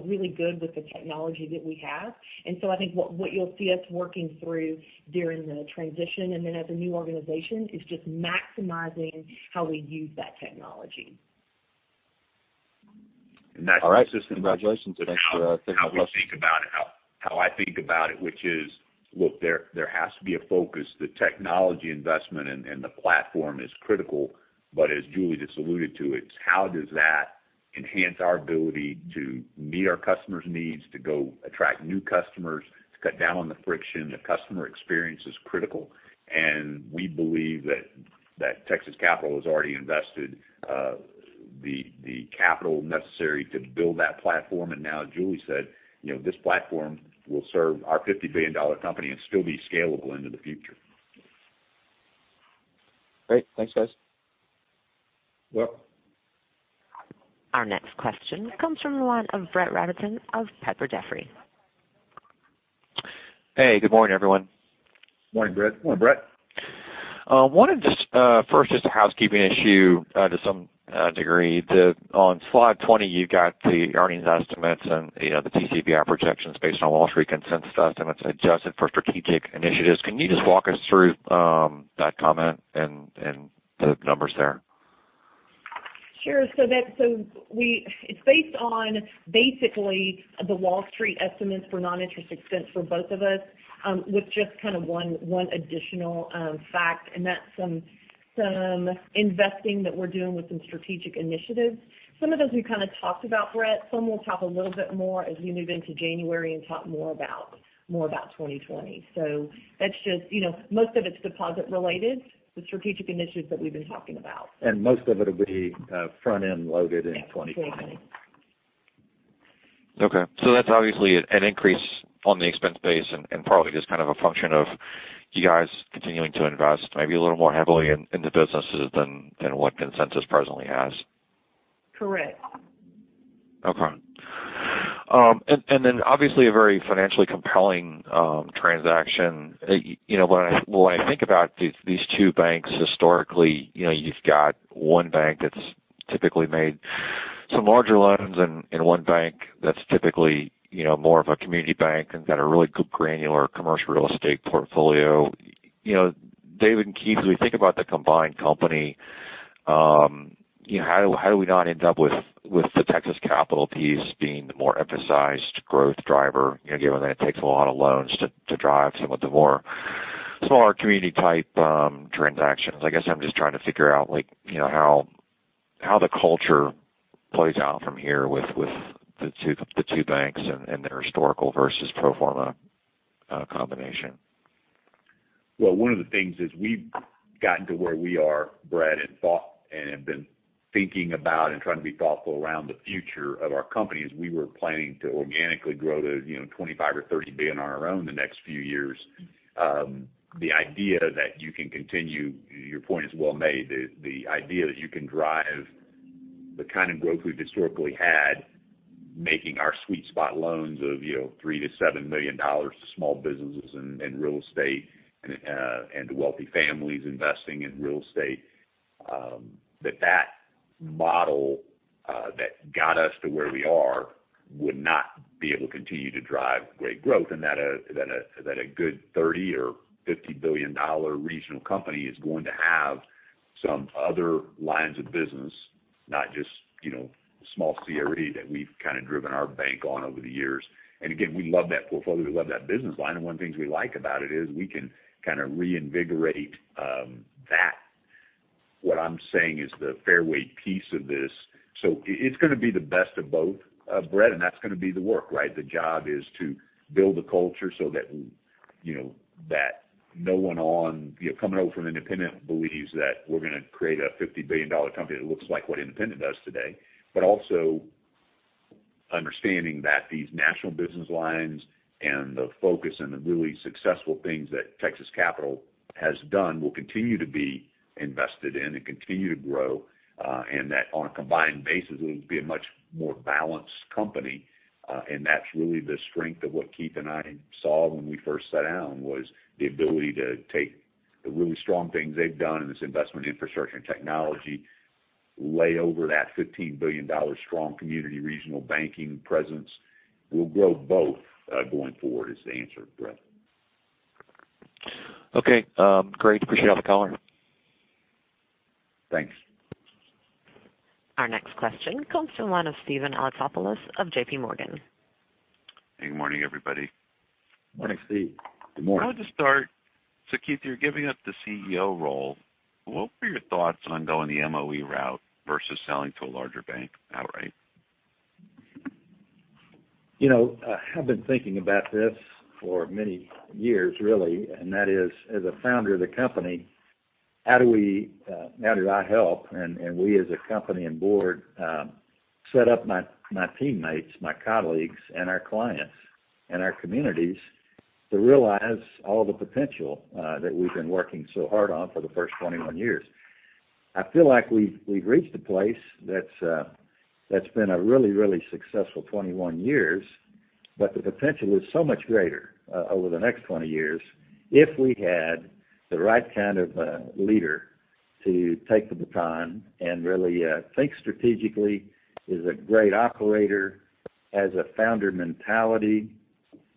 really good with the technology that we have. I think what you'll see us working through during the transition, and then as a new organization, is just maximizing how we use that technology. All right. Congratulations. Thanks for taking questions. How we think about it, how I think about it, which is, look, there has to be a focus. The technology investment and the platform is critical, as Julie just alluded to, it's how does that enhance our ability to meet our customers' needs, to go attract new customers, to cut down on the friction. The customer experience is critical, and we believe that Texas Capital has already invested the capital necessary to build that platform. And now, as Julie said, this platform will serve our $50 billion company and still be scalable into the future. Great. Thanks, guys. Welcome. Our next question comes from the line of Brett Rabatin of Piper Jaffray. Hey, good morning, everyone. Morning, Brett. Morning, Brett. Wanted to first, just a housekeeping issue to some degree. On slide 20, you've got the earnings estimates and the TCBI projections based on Wall Street consensus estimates adjusted for strategic initiatives. Can you just walk us through that comment and the numbers there? Sure. It's based on basically the Wall Street estimates for non-interest expense for both of us, with just kind of one additional fact, and that's some investing that we're doing with some strategic initiatives. Some of those we kind of talked about, Brett. Some we'll talk a little bit more as we move into January and talk more about 2020. Most of it's deposit related, the strategic initiatives that we've been talking about. Most of it'll be front-end loaded in 2020. Exactly. Okay. That's obviously an increase on the expense base and probably just kind of a function of you guys continuing to invest maybe a little more heavily in the businesses than what consensus presently has. Correct. Obviously a very financially compelling transaction. When I think about these two banks historically, you've got one bank that's typically made some larger loans in one bank that's typically more of a community bank and got a really good granular commercial real estate portfolio. David and Keith, as we think about the combined company, how do we not end up with the Texas Capital piece being the more emphasized growth driver, given that it takes a lot of loans to drive some of the more smaller community-type transactions? I guess I'm just trying to figure out how the culture plays out from here with the two banks and their historical versus pro forma combination. One of the things is we've gotten to where we are, Brett, and thought and have been thinking about and trying to be thoughtful around the future of our company, as we were planning to organically grow to $25 billion or $30 billion on our own the next few years. Your point is well made. The idea that you can drive the kind of growth we've historically had, making our sweet spot loans of $3 million-$7 million to small businesses and real estate and to wealthy families investing in real estate, that model that got us to where we are would not be able to continue to drive great growth, that a good $30 billion or $50 billion regional company is going to have some other lines of business, not just small CRE that we've driven our bank on over the years. Again, we love that portfolio. We love that business line, and one of the things we like about it is we can reinvigorate that. What I'm saying is the fairway piece of this. It's going to be the best of both, Brett, and that's going to be the work, right? The job is to build a culture so that no one coming over from Independent believes that we're going to create a $50 billion company that looks like what Independent does today. Also understanding that these national business lines and the focus and the really successful things that Texas Capital has done will continue to be invested in and continue to grow. That on a combined basis, it'll be a much more balanced company. That's really the strength of what Keith and I saw when we first sat down, was the ability to take the really strong things they've done in this investment infrastructure and technology, lay over that $15 billion strong community regional banking presence. We'll grow both going forward is the answer, Brett. Okay. Great. Appreciate the call. Thanks. Our next question comes to the line of Steven Alexopoulos of JPMorgan. Good morning, everybody. Morning, Steve. Good morning. I wanted to start. Keith, you're giving up the CEO role. What were your thoughts on going the MOE route versus selling to a larger bank outright? I've been thinking about this for many years, really, and that is, as a founder of the company, how did I help, and we as a company and board, set up my teammates, my colleagues, and our clients and our communities to realize all the potential that we've been working so hard on for the first 21 years? I feel like we've reached a place that's been a really, really successful 21 years, but the potential is so much greater over the next 20 years if we had the right kind of a leader to take the baton and really think strategically, is a great operator, has a founder mentality.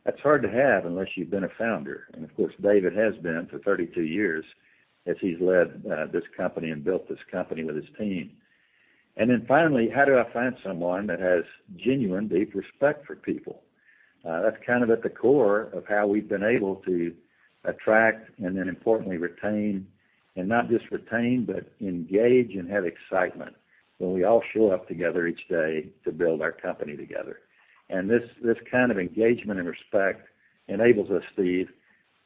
That's hard to have unless you've been a founder. Of course, David has been for 32 years, as he's led this company and built this company with his team. Then finally, how do I find someone that has genuine, deep respect for people? That's at the core of how we've been able to attract and then importantly retain, and not just retain, but engage and have excitement when we all show up together each day to build our company together. This kind of engagement and respect enables us, Steve,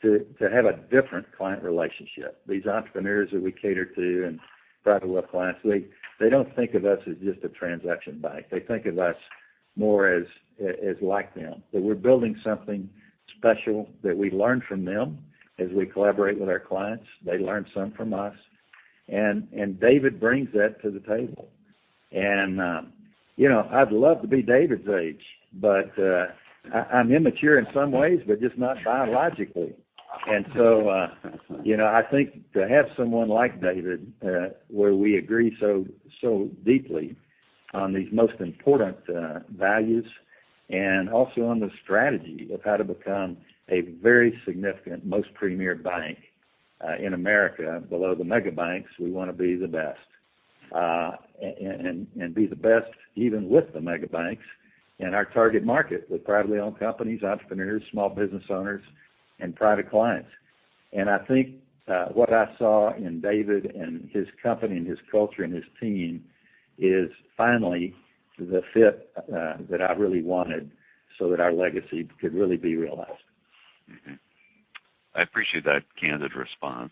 to have a different client relationship. These entrepreneurs that we cater to and private wealth clients, they don't think of us as just a transaction bank. They think of us more as like them, that we're building something special that we learn from them as we collaborate with our clients. They learn some from us. David brings that to the table. I'd love to be David's age, but I'm immature in some ways, but just not biologically. I think to have someone like David, where we agree so deeply on these most important values and also on the strategy of how to become a very significant, most premier bank in America below the mega banks, we want to be the best. Be the best even with the mega banks in our target market, with privately owned companies, entrepreneurs, small business owners, and private clients. I think what I saw in David and his company and his culture and his team is finally the fit that I really wanted so that our legacy could really be realized. I appreciate that candid response.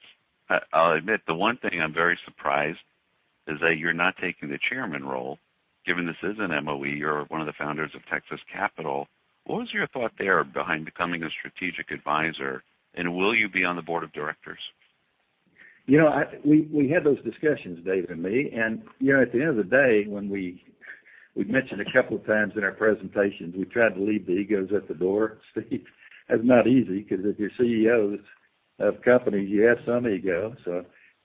I'll admit, the one thing I'm very surprised is that you're not taking the chairman role, given this is an MOE. You're one of the founders of Texas Capital. What was your thought there behind becoming a strategic advisor, and will you be on the board of directors? We had those discussions, Dave and me. At the end of the day, when we've mentioned a couple of times in our presentations, we tried to leave the egos at the door, Steve. That's not easy, because if you're CEOs of companies. You have some ego.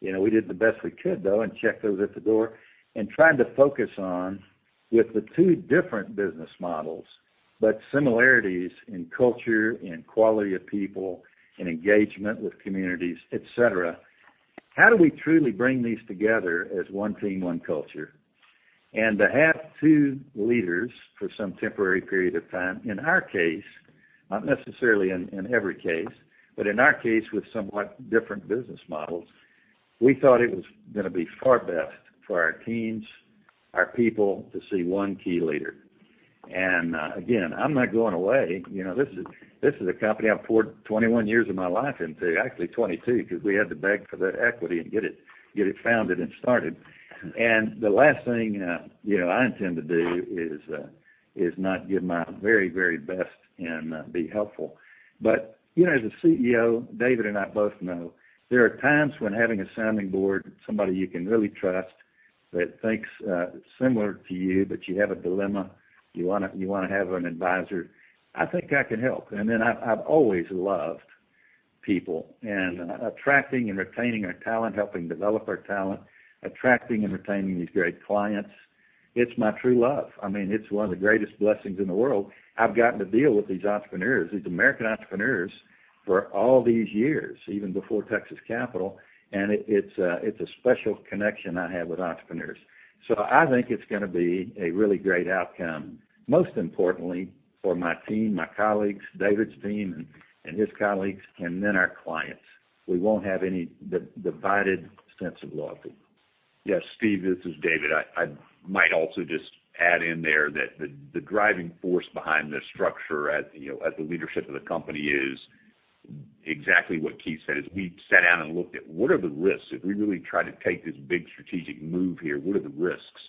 We did the best we could though and checked those at the door and tried to focus on, with the two different business models, but similarities in culture, in quality of people, in engagement with communities, et cetera, how do we truly bring these together as one team, one culture? To have two leaders for some temporary period of time, in our case, not necessarily in every case, but in our case, with somewhat different business models, we thought it was going to be far best for our teams, our people, to see one key leader. Again, I'm not going away. This is a company I poured 21 years of my life into. Actually 22, because we had to beg for that equity and get it founded and started. The last thing I intend to do is not give my very, very best and be helpful. As a CEO, David and I both know, there are times when having a sounding board, somebody you can really trust that thinks similar to you, but you have a dilemma, you want to have an advisor. I think I can help. I've always loved people and attracting and retaining our talent, helping develop our talent, attracting and retaining these great clients. It's my true love. It's one of the greatest blessings in the world. I've gotten to deal with these entrepreneurs, these American entrepreneurs, for all these years, even before Texas Capital, and it's a special connection I have with entrepreneurs. I think it's going to be a really great outcome. Most importantly for my team, my colleagues, David's team and his colleagues, and then our clients. We won't have any divided sense of loyalty. Yes, Steve, this is David. I might also just add in there that the driving force behind this structure at the leadership of the company is exactly what Keith said. We sat down and looked at what are the risks if we really try to take this big strategic move here? What are the risks?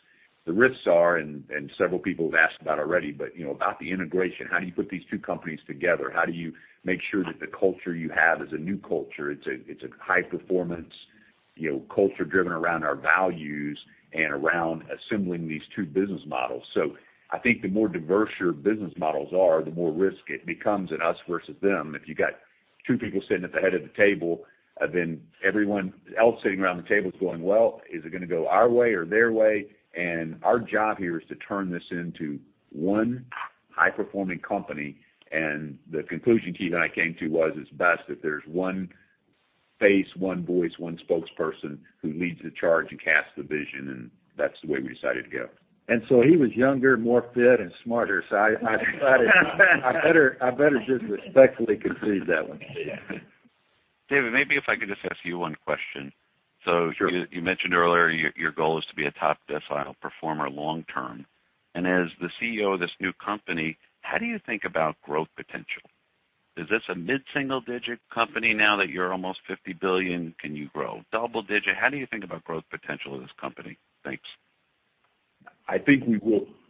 The risks are, and several people have asked about already, but about the integration. How do you put these two companies together? How do you make sure that the culture you have is a new culture? It's a high performance culture driven around our values and around assembling these two business models. I think the more diverse your business models are, the more risk it becomes an us versus them. If you got two people sitting at the head of the table, then everyone else sitting around the table is going, "Well, is it going to go our way or their way?" Our job here is to turn this into one high performing company. The conclusion Keith and I came to was it's best if there's one face, one voice, one spokesperson who leads the charge and casts the vision, and that's the way we decided to go. He was younger, more fit and smarter. I decided I better just respectfully concede that one. Yeah. David, maybe if I could just ask you one question. Sure. You mentioned earlier your goal is to be a top decile performer long term. As the CEO of this new company, how do you think about growth potential? Is this a mid-single digit company now that you're almost $50 billion? Can you grow double digit? How do you think about growth potential of this company? Thanks. I think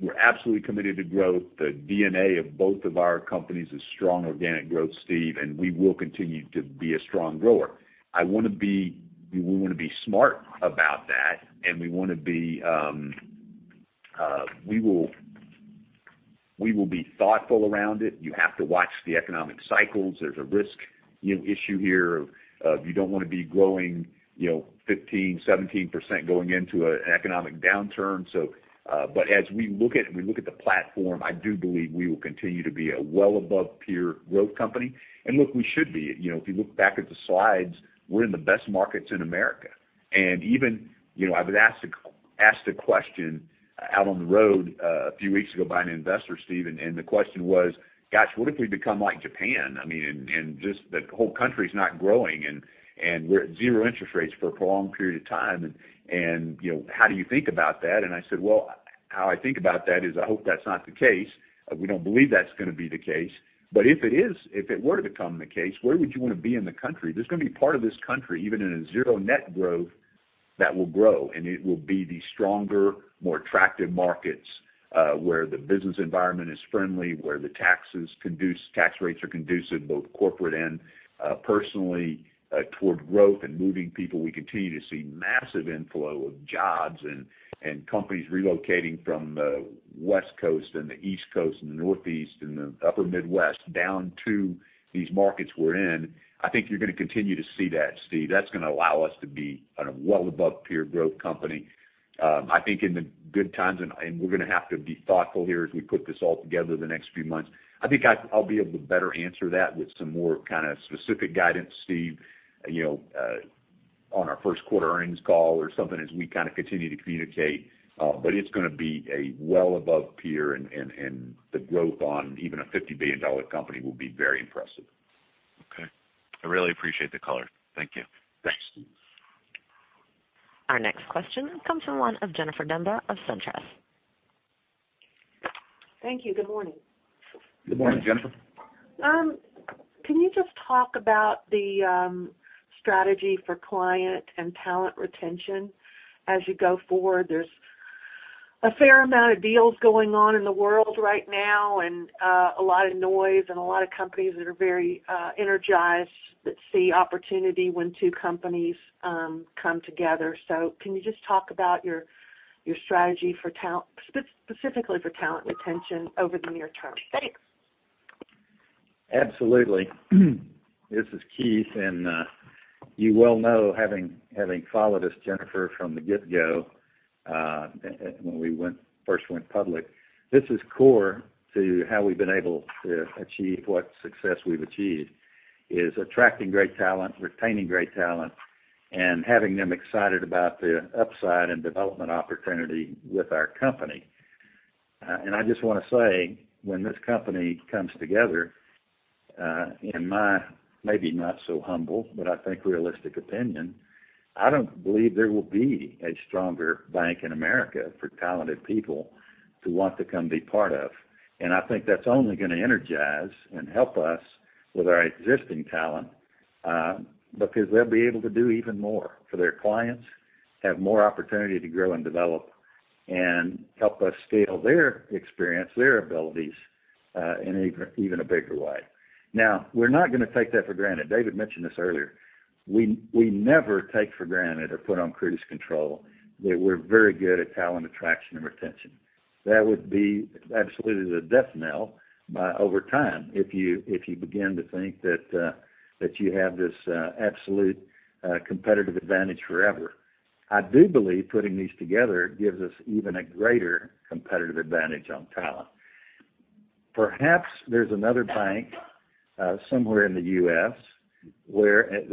we're absolutely committed to growth. The DNA of both of our companies is strong organic growth, Steve, and we will continue to be a strong grower. We want to be smart about that, and we will be thoughtful around it. You have to watch the economic cycles. There's a risk issue here of you don't want to be growing 15%, 17% going into an economic downturn. As we look at the platform, I do believe we will continue to be a well above peer growth company. Look, we should be. If you look back at the slides, we're in the best markets in America. Even, I was asked a question out on the road a few weeks ago by an investor, Steve, and the question was, "Gosh, what if we become like Japan?" Just the whole country's not growing, and we're at zero interest rates for a prolonged period of time, and how do you think about that? I said, "Well, how I think about that is I hope that's not the case." We don't believe that's going to be the case. If it were to become the case, where would you want to be in the country? There's going to be part of this country, even in a zero net growth, that will grow, and it will be the stronger, more attractive markets, where the business environment is friendly, where the tax rates are conducive, both corporate and personally toward growth and moving people. We continue to see massive inflow of jobs and companies relocating from the West Coast and the East Coast and the Northeast and the upper Midwest down to these markets we're in. I think you're going to continue to see that, Steve. That's going to allow us to be a well above peer growth company. I think in the good times, and we're going to have to be thoughtful here as we put this all together the next few months. I think I'll be able to better answer that with some more kind of specific guidance, Steve, on our first quarter earnings call or something as we kind of continue to communicate. It's going to be a well above peer, and the growth on even a $50 billion company will be very impressive. Okay. I really appreciate the color. Thank you. Thanks. Our next question comes from one of Jennifer Demba of SunTrust. Thank you. Good morning. Good morning, Jennifer. Can you just talk about the strategy for client and talent retention as you go forward? There's a fair amount of deals going on in the world right now and a lot of noise and a lot of companies that are very energized that see opportunity when two companies come together. Can you just talk about your strategy specifically for talent retention over the near term? Thanks. Absolutely. This is Keith, and you well know, having followed us, Jennifer, from the get-go, when we first went public. I just want to say, when this company comes together, in my maybe not so humble, but I think realistic opinion, I don't believe there will be a stronger bank in America for talented people to want to come be part of. I think that's only going to energize and help us with our existing talent, because they'll be able to do even more for their clients, have more opportunity to grow and develop, and help us scale their experience, their abilities, in even a bigger way. Now, we're not going to take that for granted. David mentioned this earlier. We never take for granted or put on cruise control that we're very good at talent attraction and retention. That would be absolutely the death knell by over time if you begin to think that you have this absolute competitive advantage forever. I do believe putting these together gives us even a greater competitive advantage on talent. Perhaps there's another bank somewhere in the U.S.,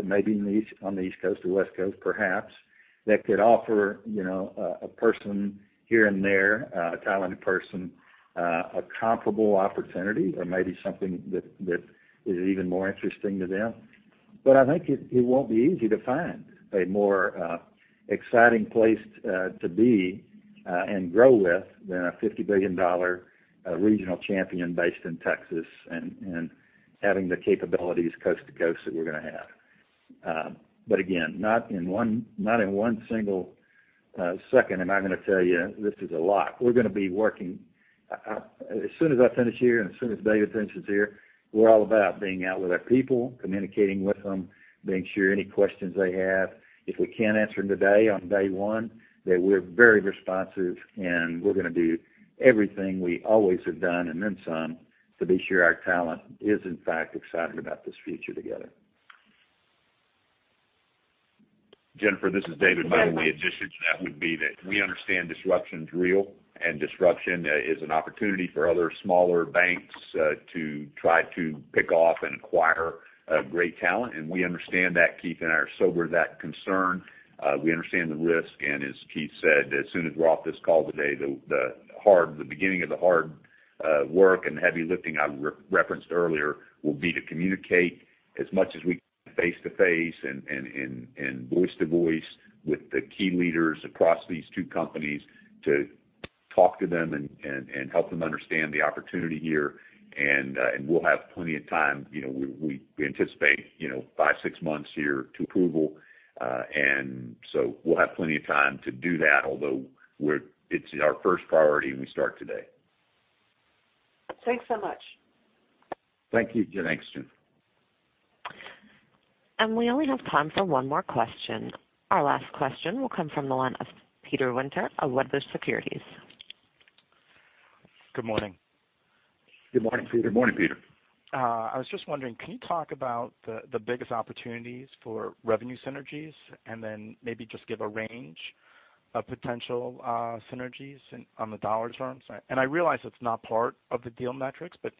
maybe on the East Coast or West Coast perhaps, that could offer a person here and there, a talented person, a comparable opportunity or maybe something that is even more interesting to them. I think it won't be easy to find a more exciting place to be and grow with than a $50 billion regional champion based in Texas and having the capabilities coast to coast that we're going to have. Again, not in one single second am I going to tell you this is a lock. We're going to be working, as soon as I finish here and as soon as David finishes here, we're all about being out with our people, communicating with them, making sure any questions they have, if we can't answer them today on day one, that we're very responsive, and we're going to do everything we always have done and then some to be sure our talent is in fact excited about this future together. Jennifer, this is David. My only addition to that would be that we understand disruption's real. Disruption is an opportunity for other smaller banks to try to pick off and acquire great talent. We understand that, Keith, and are sober to that concern. We understand the risk. As Keith said, as soon as we're off this call today, the beginning of the hard work and heavy lifting I referenced earlier will be to communicate as much as we can face-to-face and voice-to-voice with the key leaders across these two companies to talk to them and help them understand the opportunity here. We'll have plenty of time. We anticipate five, six months here to approval. We'll have plenty of time to do that, although it's our first priority, and we start today. Thanks so much. Thank you. Thanks, Jen. We only have time for one more question. Our last question will come from the line of Peter Winter of Wedbush Securities. Good morning. Good morning, Peter. Morning, Peter. I was just wondering, can you talk about the biggest opportunities for revenue synergies and then maybe just give a range of potential synergies on the dollars earned? I realize it's not part of the deal metrics, but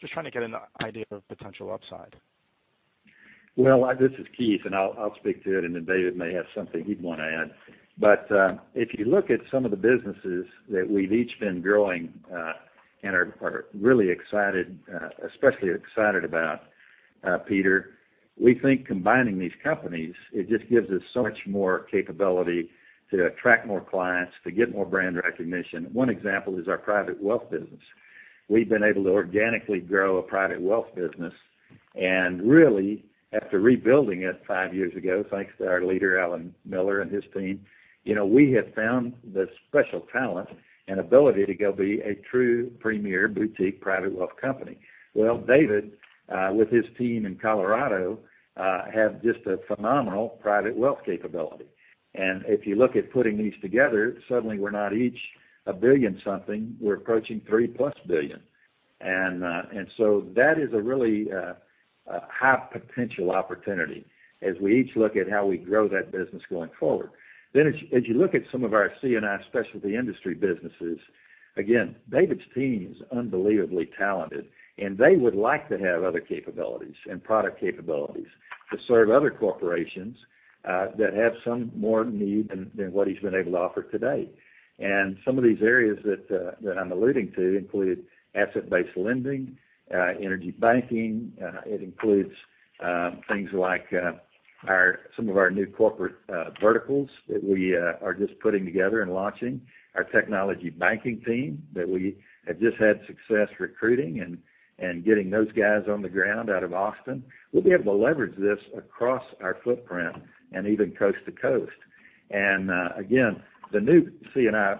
just trying to get an idea of potential upside. Well, this is Keith, and I'll speak to it, and then David may have something he'd want to add. If you look at some of the businesses that we've each been growing and are really excited, especially excited about, Peter, we think combining these companies, it just gives us so much more capability to attract more clients, to get more brand recognition. One example is our private wealth business. We've been able to organically grow a private wealth business. Really, after rebuilding it five years ago, thanks to our leader Alan Miller and his team, we have found the special talent and ability to go be a true premier boutique private wealth company. Well, David, with his team in Colorado, have just a phenomenal private wealth capability. If you look at putting these together, suddenly we're not each a billion something, we're approaching $3 billion+. That is a really high potential opportunity as we each look at how we grow that business going forward. As you look at some of our C&I specialty industry businesses, again, David's team is unbelievably talented, and they would like to have other capabilities and product capabilities to serve other corporations that have some more need than what he's been able to offer today. Some of these areas that I'm alluding to include asset-based lending, energy banking. It includes things like some of our new corporate verticals that we are just putting together and launching. Our technology banking team that we have just had success recruiting and getting those guys on the ground out of Austin. We'll be able to leverage this across our footprint and even coast to coast. Again, the new C&I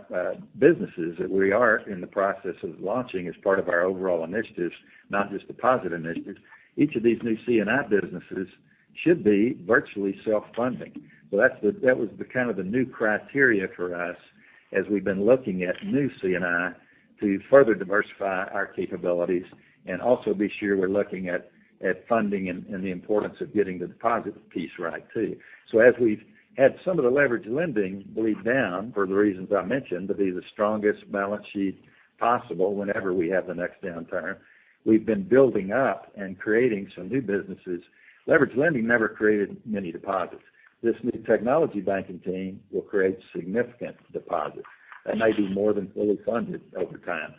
businesses that we are in the process of launching as part of our overall initiatives, not just deposit initiatives, each of these new C&I businesses should be virtually self-funding. That was the new criteria for us as we've been looking at new C&I to further diversify our capabilities. Also this year, we're looking at funding and the importance of getting the deposit piece right too. As we've had some of the leveraged lending bleed down for the reasons I mentioned, to be the strongest balance sheet possible whenever we have the next downturn, we've been building up and creating some new businesses. Leveraged lending never created many deposits. This new technology banking team will create significant deposits that may be more than fully funded over time.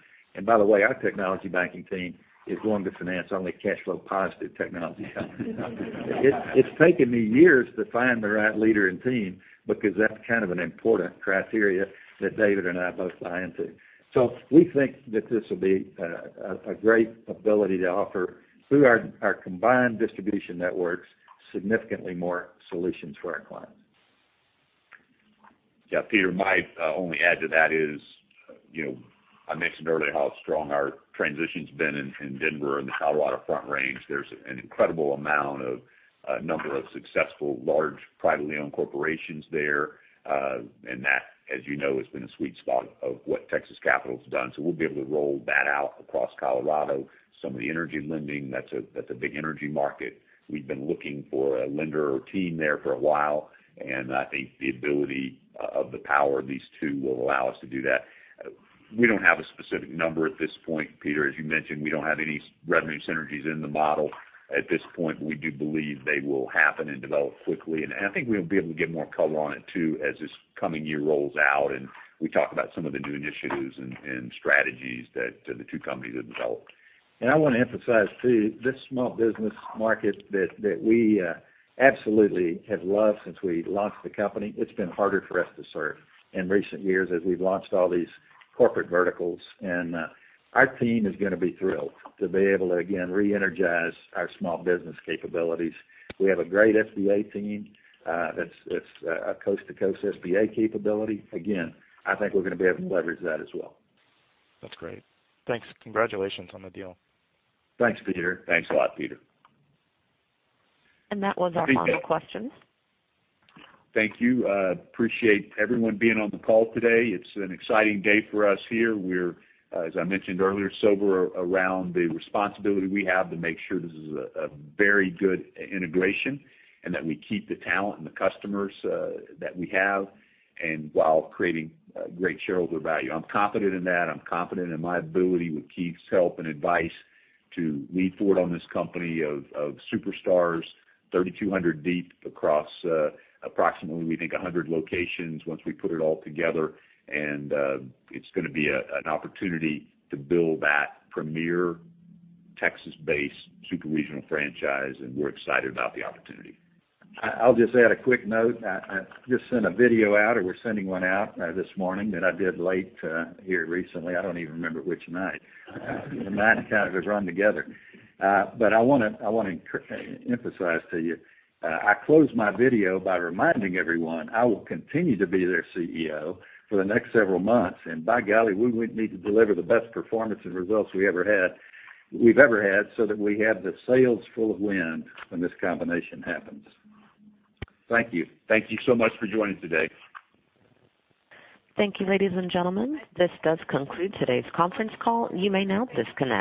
By the way, our technology banking team is going to finance only cash flow positive technology. It's taken me years to find the right leader and team because that's an important criteria that David and I both buy into. We think that this will be a great ability to offer through our combined distribution networks, significantly more solutions for our clients. Yeah, Peter, my only add to that is, I mentioned earlier how strong our transition's been in Denver and the Colorado Front Range. There's an incredible amount of number of successful large privately owned corporations there. That, as you know, has been a sweet spot of what Texas Capital's done. We'll be able to roll that out across Colorado. Some of the energy lending, that's a big energy market. We've been looking for a lender or team there for a while, and I think the ability of the power of these two will allow us to do that. We don't have a specific number at this point, Peter. As you mentioned, we don't have any revenue synergies in the model at this point. We do believe they will happen and develop quickly, and I think we'll be able to get more color on it too, as this coming year rolls out, and we talk about some of the new initiatives and strategies that the two companies have developed. I want to emphasize too, this small business market that we absolutely have loved since we launched the company, it's been harder for us to serve in recent years as we've launched all these corporate verticals. Our team is going to be thrilled to be able to, again, reenergize our small business capabilities. We have a great SBA team that's a coast-to-coast SBA capability. Again, I think we're going to be able to leverage that as well. That's great. Thanks. Congratulations on the deal. Thanks, Peter. Thanks a lot, Peter. That was our final question. Thank you. Appreciate everyone being on the call today. It's an exciting day for us here. We're, as I mentioned earlier, sober around the responsibility we have to make sure this is a very good integration and that we keep the talent and the customers that we have, and while creating great shareholder value. I'm confident in that. I'm confident in my ability, with Keith's help and advice, to lead forward on this company of superstars, 3,200 deep across approximately, we think, 100 locations once we put it all together. It's going to be an opportunity to build that premier Texas-based super regional franchise, and we're excited about the opportunity. I'll just add a quick note. I just sent a video out, or we're sending one out this morning that I did late here recently. I don't even remember which night. The night kind of has run together. I want to emphasize to you, I closed my video by reminding everyone I will continue to be their CEO for the next several months. By golly, we need to deliver the best performance and results we've ever had, so that we have the sails full of wind when this combination happens. Thank you. Thank you so much for joining today. Thank you, ladies and gentlemen. This does conclude today's conference call. You may now disconnect.